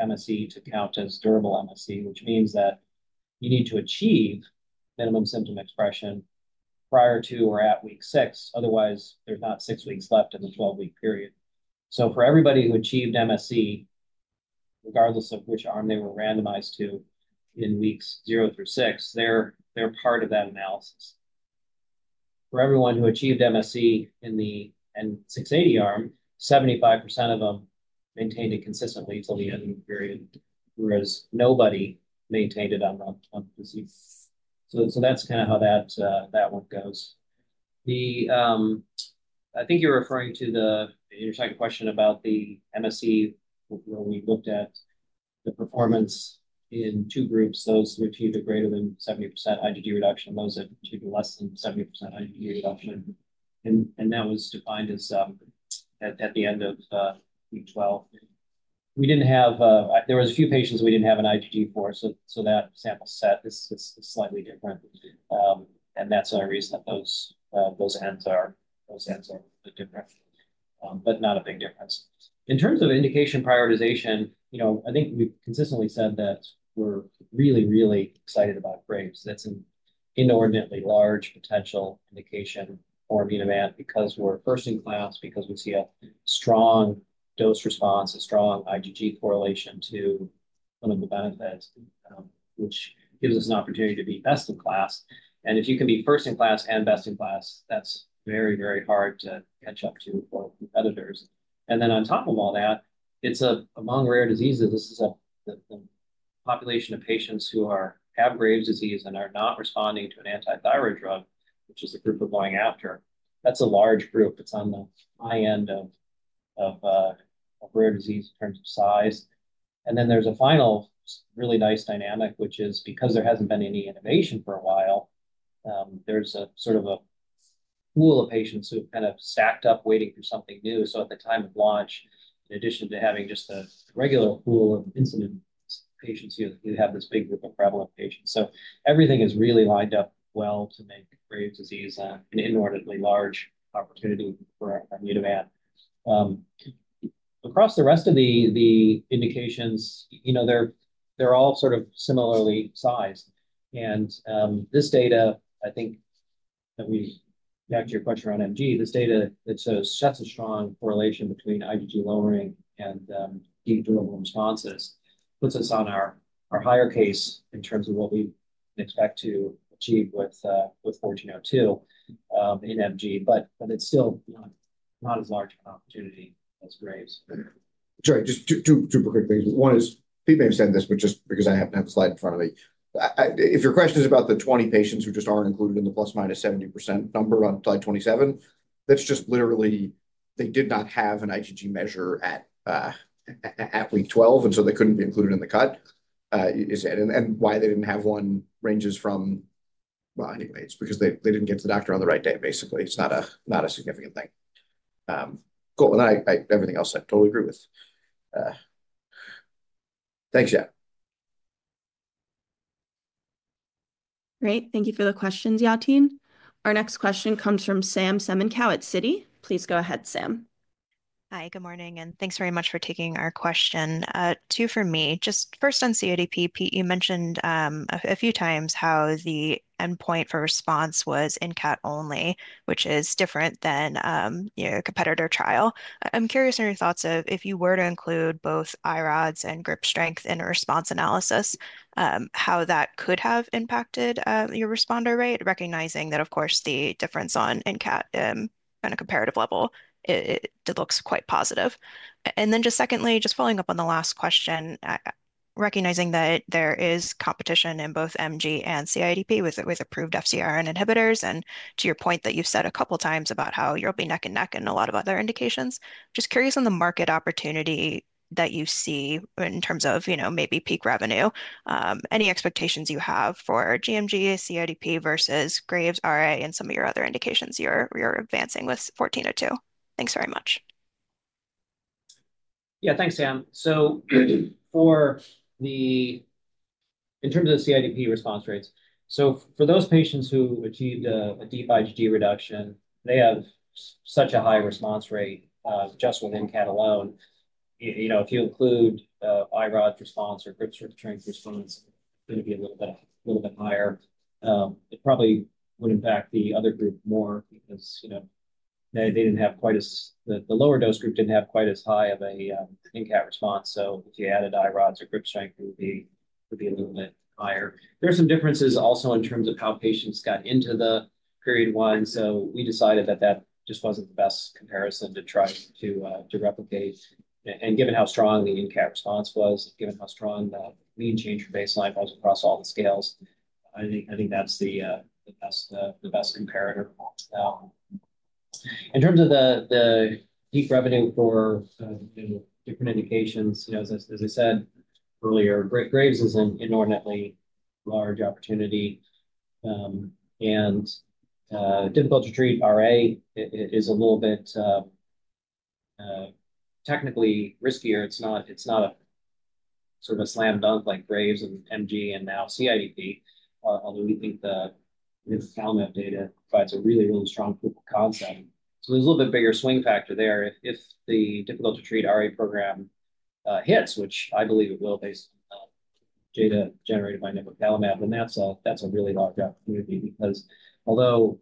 MSE to count as durable MSE, which means that you need to achieve minimum symptom expression prior to or at week 6. Otherwise, there are not six weeks left in the 12-week period. For everybody who achieved MSE, regardless of which arm they were randomized to in weeks 0 through 6, they are part of that analysis. For everyone who achieved MSE in the 680 arm, 75% of them maintained it consistently until the end of the period, whereas nobody maintained it on the disease. That is kind of how that one goes. I think you're referring to the you're talking about the MSE where we looked at the performance in two groups. Those who achieved a greater than 70% IgG reduction, those that achieved less than 70% IgG reduction, and that was defined as at the end of week 12. We didn't have there were a few patients we didn't have an IgG for, so that sample set is slightly different. That's the reason that those ends are a little bit different, but not a big difference. In terms of indication prioritization, I think we've consistently said that we're really, really excited about Graves. That's an inordinately large potential indication for Immunovant because we're first in class, because we see a strong dose response, a strong IgG correlation to one of the benefits, which gives us an opportunity to be best in class. If you can be first in class and best in class, that's very, very hard to catch up to for competitors. On top of all that, it's among rare diseases. This is the population of patients who have Graves' disease and are not responding to an anti-thyroid drug, which is the group we're going after. That's a large group. It's on the high end of rare disease in terms of size. There is a final really nice dynamic, which is because there hasn't been any innovation for a while, there's a sort of a pool of patients who have kind of stacked up waiting for something new. At the time of launch, in addition to having just a regular pool of incident patients, you have this big group of prevalent patients. Everything is really lined up well to make Graves' disease an inordinately large opportunity for Immunovant. Across the rest of the indications, they're all sort of similarly sized. This data, I think that we've connected your question around MG, this data that shows such a strong correlation between IgG lowering and deep durable responses puts us on our higher case in terms of what we expect to achieve with IMVT-1402 in MG, but it's still not as large an opportunity as Graves'. Sorry, just two quick things. One is, Pete may have said this, but just because I happen to have a slide in front of me. If your question is about the 20 patients who just are not included in the ± 70% number on slide 27, that is just literally they did not have an IgG measure at week 12, and so they could not be included in the cut. And why they did not have one ranges from, well, anyway, it is because they did not get to the doctor on the right day, basically. It is not a significant thing. Cool. Everything else I totally agree with. Thanks, yeah. Great. Thank you for the questions, Yatin. Our next question comes from Sam Semenkow at Citi. Please go ahead, Sam. Hi, good morning, and thanks very much for taking our question. Two for me. Just first on CIDP, Pete, you mentioned a few times how the endpoint for response was INCAT only, which is different than a competitor trial. I'm curious on your thoughts of if you were to include both iRODS and grip strength in a response analysis, how that could have impacted your responder rate, recognizing that, of course, the difference on INCAT on a comparative level, it looks quite positive. Just secondly, just following up on the last question, recognizing that there is competition in both MG and CIDP with approved FcRn inhibitors. To your point that you've said a couple of times about how you'll be neck and neck in a lot of other indications, just curious on the market opportunity that you see in terms of maybe peak revenue, any expectations you have for GMG, CIDP versus Graves, RA, and some of your other indications you're advancing with IMVT-1402. Thanks very much. Yeah, thanks, Sam. In terms of the CIDP response rates, for those patients who achieved a deep IgG reduction, they have such a high response rate just with INCAT alone. If you include iRODS response or grip strength response, it is going to be a little bit higher. It probably would impact the other group more because the lower dose group did not have quite as high of an INCAT response. If you added iRODS or grip strength, it would be a little bit higher. There are some differences also in terms of how patients got into the PERI-1. We decided that that just was not the best comparison to try to replicate. Given how strong the INCAT response was, given how strong the mean change in baseline was across all the scales, I think that is the best comparator. In terms of the peak revenue for different indications, as I said earlier, Graves is an inordinately large opportunity. Difficult-to-treat RA is a little bit technically riskier. It's not sort of a slam dunk like Graves and MG and now CIDP, although we think the Nipocalimab data provides a really, really strong proof of concept. There is a little bit bigger swing factor there. If the difficult-to-treat RA program hits, which I believe it will based on data generated by Nipocalimab, then that's a really large opportunity because although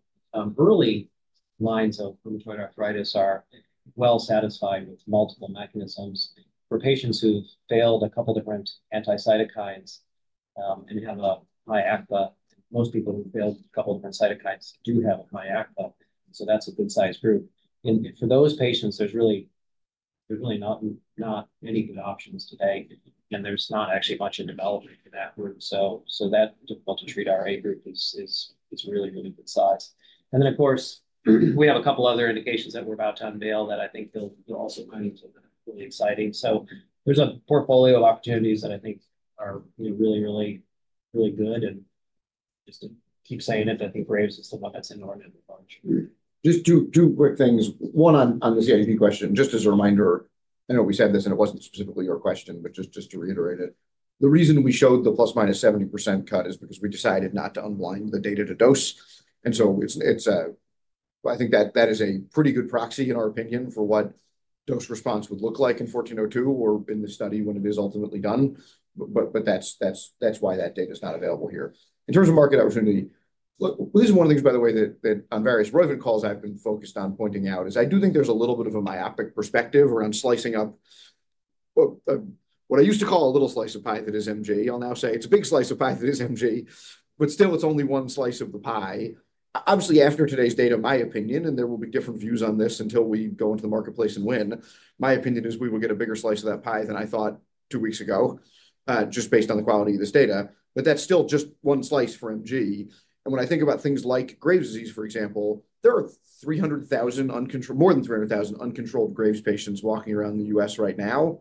early lines of rheumatoid arthritis are well satisfied with multiple mechanisms for patients who failed a couple of different anti-cytokines and have a high ACPA, most people who failed a couple of different cytokines do have a high ACPA. That is a good-sized group. For those patients, there are really not any good options today. There is not actually much in development for that group. That difficult-to-treat RA group is really, really good size. Of course, we have a couple of other indications that we are about to unveil that I think will also come into the really exciting. There is a portfolio of opportunities that I think are really, really good. Just to keep saying it, I think Graves is the one that is inordinately large. Just two quick things. One on the CIDP question, just as a reminder, I know we said this and it was not specifically your question, but just to reiterate it. The reason we showed the ± 70% cut is because we decided not to unwind the data to dose. I think that is a pretty good proxy, in our opinion, for what dose response would look like in IMVT-1402 or in the study when it is ultimately done. That is why that data is not available here. In terms of market opportunity, this is one of the things, by the way, that on various relevant calls I have been focused on pointing out is I do think there is a little bit of a myopic perspective around slicing up what I used to call a little slice of pie that is MG. I will now say it is a big slice of pie that is MG, but still it is only one slice of the pie. Obviously, after today's data, my opinion, and there will be different views on this until we go into the marketplace and win, my opinion is we will get a bigger slice of that pie than I thought two weeks ago, just based on the quality of this data. That is still just one slice for MG. When I think about things like Graves' disease, for example, there are more than 300,000 uncontrolled Graves' patients walking around the U.S. right now.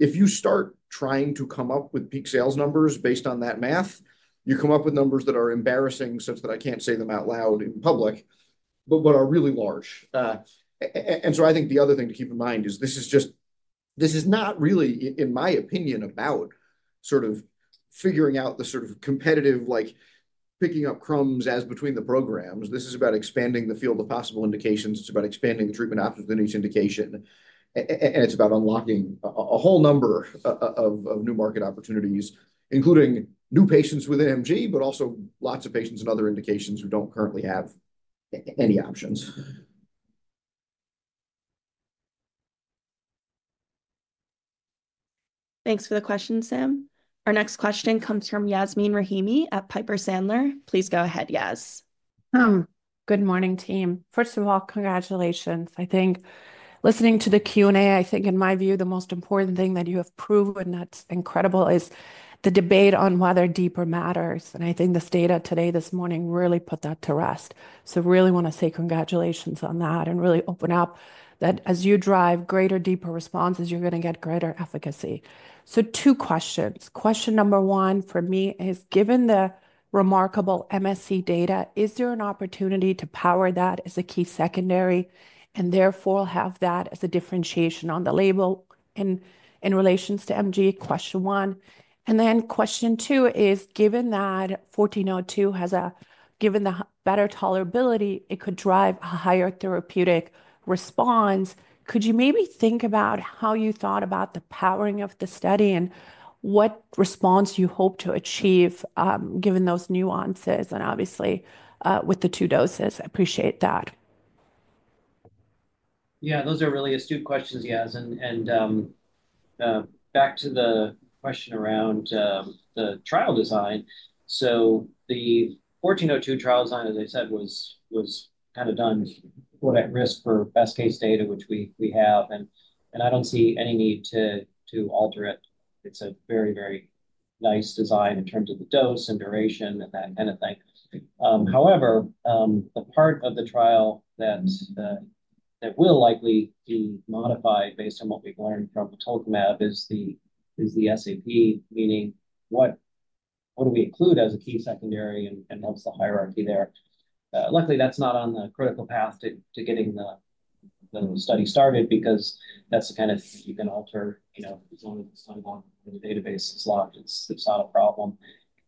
If you start trying to come up with peak sales numbers based on that math, you come up with numbers that are embarrassing such that I can't say them out loud in public, but are really large. I think the other thing to keep in mind is this is not really, in my opinion, about sort of figuring out the sort of competitive, like picking up crumbs as between the programs. This is about expanding the field of possible indications. It is about expanding the treatment options within each indication. It is about unlocking a whole number of new market opportunities, including new patients within MG, but also lots of patients in other indications who do not currently have any options. Thanks for the question, Sam. Our next question comes from Yasmeen Rahimi at Piper Sandler. Please go ahead, Yas. Good morning, team. First of all, congratulations. I think listening to the Q&A, I think in my view, the most important thing that you have proven that is incredible is the debate on whether deeper matters. I think this data today, this morning, really put that to rest. I really want to say congratulations on that and really open up that as you drive greater, deeper responses, you're going to get greater efficacy. Two questions. Question number one for me is, given the remarkable MSE data, is there an opportunity to power that as a key secondary and therefore have that as a differentiation on the label in relation to MG? Question one. Question two is, given that IMVT-1402 has a, given the better tolerability, it could drive a higher therapeutic response, could you maybe think about how you thought about the powering of the study and what response you hope to achieve given those nuances and obviously with the two doses? I appreciate that. Yeah, those are really astute questions, Yas. Back to the question around the trial design. The IMVT-1402 trial design, as I said, was kind of done at risk for best-case data, which we have. I don't see any need to alter it. It's a very, very nice design in terms of the dose and duration and that kind of thing. However, the part of the trial that will likely be modified based on what we've learned from the Tolkamab is the SAP, meaning what do we include as a key secondary and what's the hierarchy there? Luckily, that's not on the critical path to getting the study started because that's the kind of thing you can alter as long as it's done in the database it's logged. It's not a problem.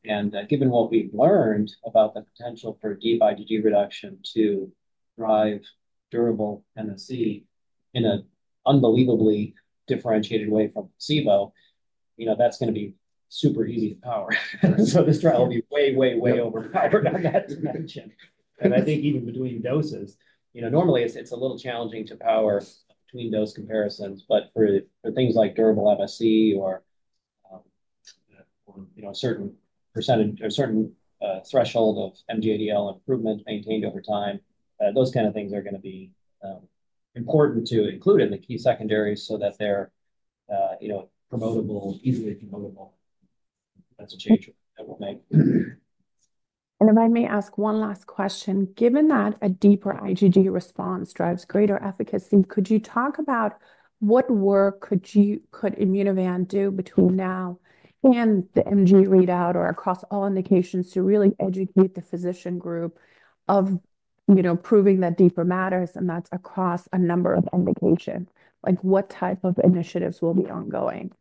Given what we've learned about the potential for deep IgG reduction to drive durable MSE in an unbelievably differentiated way from placebo, that's going to be super easy to power. This trial will be way, way, way overpowered on that dimension. I think even between doses, normally it's a little challenging to power between dose comparisons, but for things like durable MSE or a certain threshold of MG-ADL improvement maintained over time, those kind of things are going to be important to include in the key secondary so that they're promotable, easily promotable. That's a change that we'll make. If I may ask one last question, given that a deeper IgG response drives greater efficacy, could you talk about what work could Immunovant do between now and the MG readout or across all indications to really educate the physician group of proving that deeper matters and that's across a number of indications? What type of initiatives will be ongoing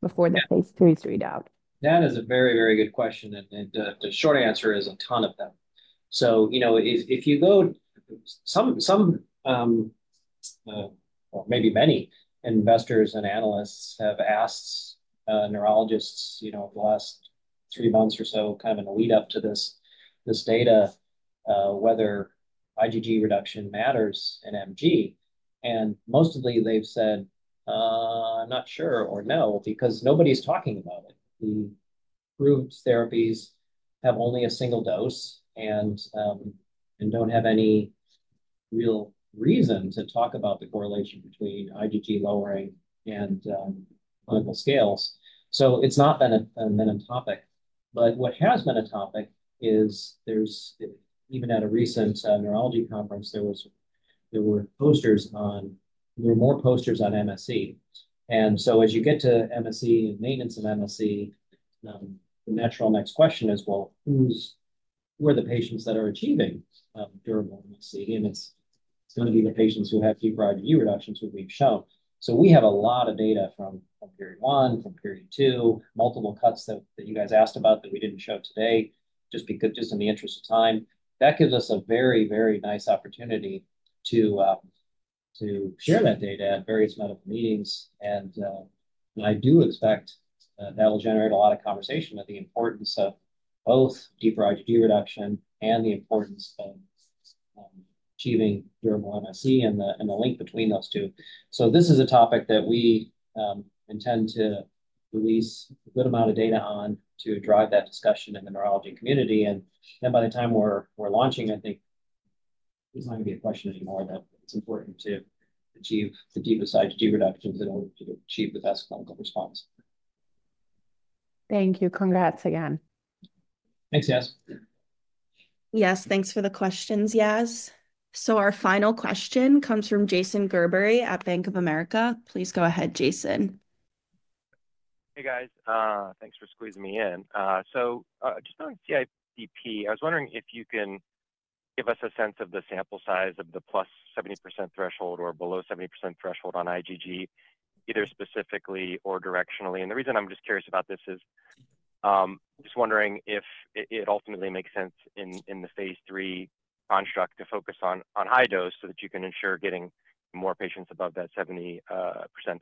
before the phase III's readout? That is a very, very good question. The short answer is a ton of them. If you go, some or maybe many investors and analysts have asked neurologists the last three months or so, kind of in the lead-up to this data, whether IgG reduction matters in MG. Mostly they've said, "I'm not sure or no," because nobody's talking about it. The approved therapies have only a single dose and do not have any real reason to talk about the correlation between IgG lowering and clinical scales. It's not been a topic. What has been a topic is even at a recent neurology conference, there were posters on, there were more posters on MSE. As you get to MSE and maintenance of MSE, the natural next question is, who are the patients that are achieving durable MSE? It is going to be the patients who have deeper IgG reductions who we have shown. We have a lot of data from PERI-1, from PERI-2, multiple cuts that you guys asked about that we did not show today just in the interest of time. That gives us a very, very nice opportunity to share that data at various medical meetings. I do expect that will generate a lot of conversation about the importance of both deeper IgG reduction and the importance of achieving durable MSE and the link between those two. This is a topic that we intend to release a good amount of data on to drive that discussion in the neurology community. By the time we are launching, I think it is not going to be a question anymore that it is important to achieve the deepest IgG reductions in order to achieve the best clinical response. Thank you. Congrats again. Thanks, Yas. Yas, thanks for the questions, Yas. Our final question comes from Jason Gerberry at Bank of America. Please go ahead, Jason. Hey, guys. Thanks for squeezing me in. Just on CIDP, I was wondering if you can give us a sense of the sample size of the +70% threshold or below 70% threshold on IgG, either specifically or directionally. The reason I'm just curious about this is just wondering if it ultimately makes sense in the phase III construct to focus on high dose so that you can ensure getting more patients above that 70%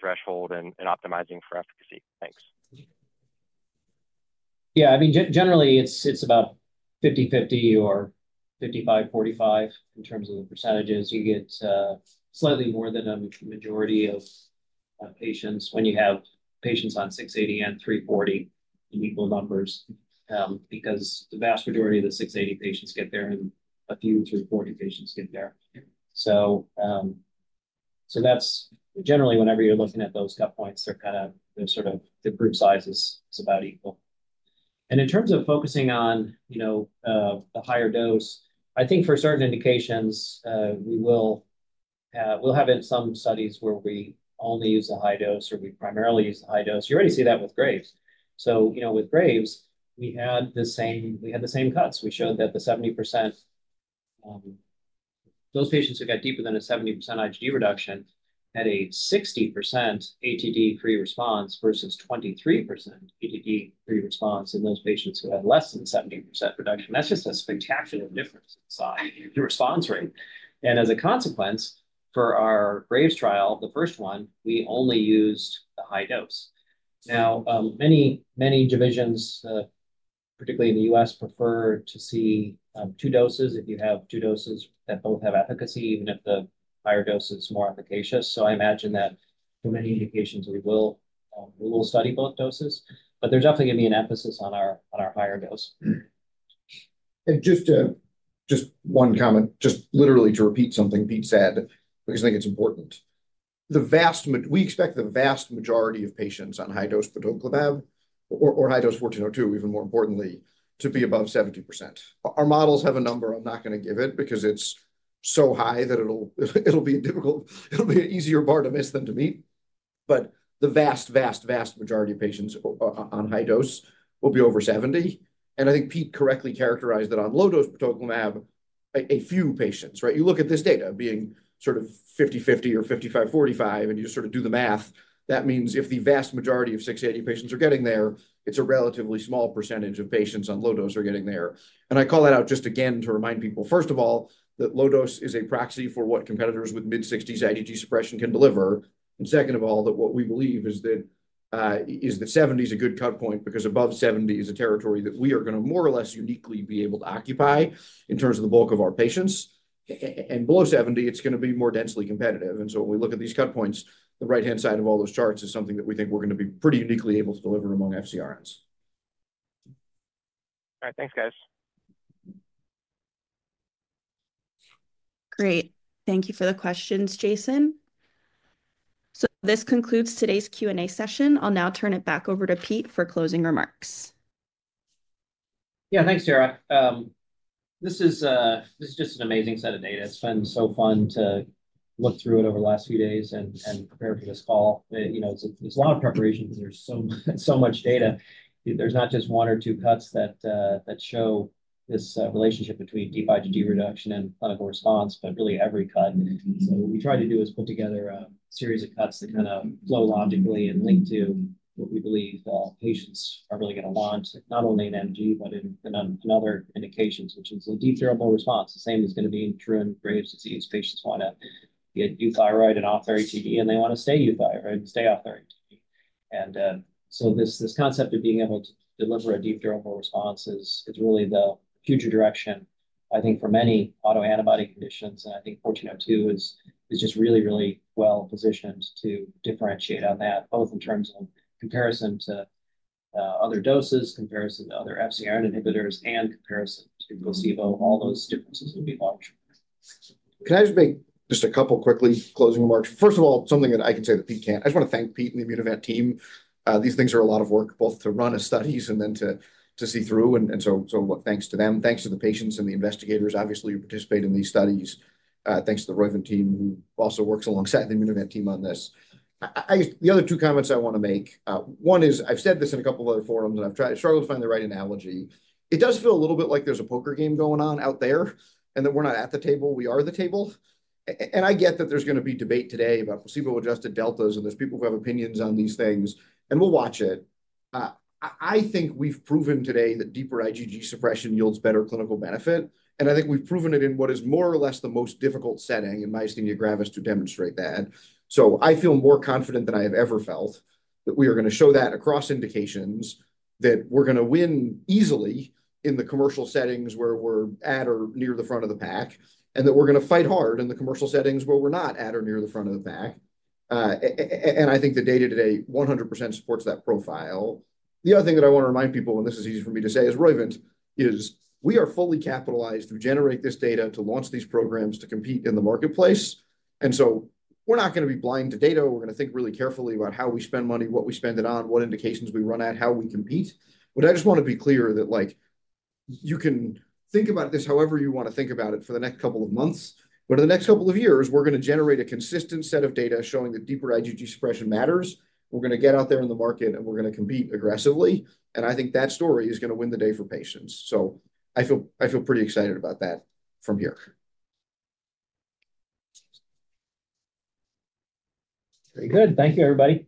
threshold and optimizing for efficacy. Thanks. Yeah. I mean, generally, it's about 50/50 or 55/45 in terms of the percentages. You get slightly more than a majority of patients when you have patients on 680 mg and 340 mg in equal numbers because the vast majority of the 680 mg patients get there and a few 340 mg patients get there. Generally, whenever you're looking at those cut points, they're kind of the sort of the group size is about equal. In terms of focusing on the higher dose, I think for certain indications, we'll have some studies where we only use the high dose or we primarily use the high dose. You already see that with Graves. With Graves, we had the same cuts. We showed that the 70%—those patients who got deeper than a 70% IgG reduction had a 60% ATD-free response versus 23% ATD-free response in those patients who had less than 70% reduction. That's just a spectacular difference in size, the response rate. As a consequence, for our Graves trial, the first one, we only used the high dose. Many divisions, particularly in the U.S., prefer to see two doses if you have two doses that both have efficacy, even if the higher dose is more efficacious. I imagine that for many indications, we will study both doses. There is definitely going to be an emphasis on our higher dose. Just one comment, just literally to repeat something Pete said, because I think it's important. We expect the vast majority of patients on high-dose Batoclimab or high-dose IMVT-1402, even more importantly, to be above 70%. Our models have a number. I'm not going to give it because it's so high that it'll be a difficult, it'll be an easier bar to miss than to meet. The vast, vast, vast majority of patients on high dose will be over 70. I think Pete correctly characterized that on low-dose Batoclimab, a few patients, right? You look at this data being sort of 50/50 or 55/45, and you sort of do the math. That means if the vast majority of 680 mg patients are getting there, it's a relatively small percentage of patients on low dose who are getting there. I call that out just again to remind people, first of all, that low dose is a proxy for what competitors with mid-60s IgG suppression can deliver. Second of all, what we believe is that 70 is a good cut point because above 70 is a territory that we are going to more or less uniquely be able to occupy in terms of the bulk of our patients. Below 70, it's going to be more densely competitive. When we look at these cut points, the right-hand side of all those charts is something that we think we're going to be pretty uniquely able to deliver among FcRns. All right. Thanks, guys. Great. Thank you for the questions, Jason. This concludes today's Q&A session. I'll now turn it back over to Pete for closing remarks. Yeah, thanks, Tara. This is just an amazing set of data. It's been so fun to look through it over the last few days and prepare for this call. It's a lot of preparation because there's so much data. There's not just one or two cuts that show this relationship between deep IgG reduction and clinical response, but really every cut. What we tried to do is put together a series of cuts that kind of flow logically and link to what we believe all patients are really going to want, not only in MG, but in other indications, which is a deep durable response. The same is going to be true in Graves' disease. Patients want to get euthyroid and off their ATD, and they want to stay euthyroid and stay off their ATD. This concept of being able to deliver a deep durable response is really the future direction, I think, for many autoantibody conditions. I think IMVT-1402 is just really, really well positioned to differentiate on that, both in terms of comparison to other doses, comparison to other FcRn inhibitors, and comparison to placebo. All those differences will be large. Can I just make just a couple quickly closing remarks? First of all, something that I can say that Pete can't. I just want to thank Pete and the Immunovant team. These things are a lot of work, both to run a study and then to see through. Thanks to them. Thanks to the patients and the investigators, obviously, who participate in these studies. Thanks to the Roivant team who also works alongside the Immunovant team on this. The other two comments I want to make, one is I've said this in a couple of other forums, and I've struggled to find the right analogy. It does feel a little bit like there's a poker game going on out there and that we're not at the table. We are the table. I get that there's going to be debate today about placebo-adjusted deltas, and there's people who have opinions on these things. We'll watch it. I think we've proven today that deeper IgG suppression yields better clinical benefit. I think we've proven it in what is more or less the most difficult setting, and my esteemed graph is to demonstrate that. I feel more confident than I have ever felt that we are going to show that across indications, that we're going to win easily in the commercial settings where we're at or near the front of the pack, and that we're going to fight hard in the commercial settings where we're not at or near the front of the pack. I think the data today 100% supports that profile. The other thing that I want to remind people, and this is easy for me to say, is Roivant is we are fully capitalized to generate this data to launch these programs to compete in the marketplace. We are not going to be blind to data. We are going to think really carefully about how we spend money, what we spend it on, what indications we run at, how we compete. I just want to be clear that you can think about this however you want to think about it for the next couple of months. In the next couple of years, we are going to generate a consistent set of data showing that deeper IgG suppression matters. We are going to get out there in the market, and we are going to compete aggressively. I think that story is going to win the day for patients. I feel pretty excited about that from here. Very good. Thank you, everybody.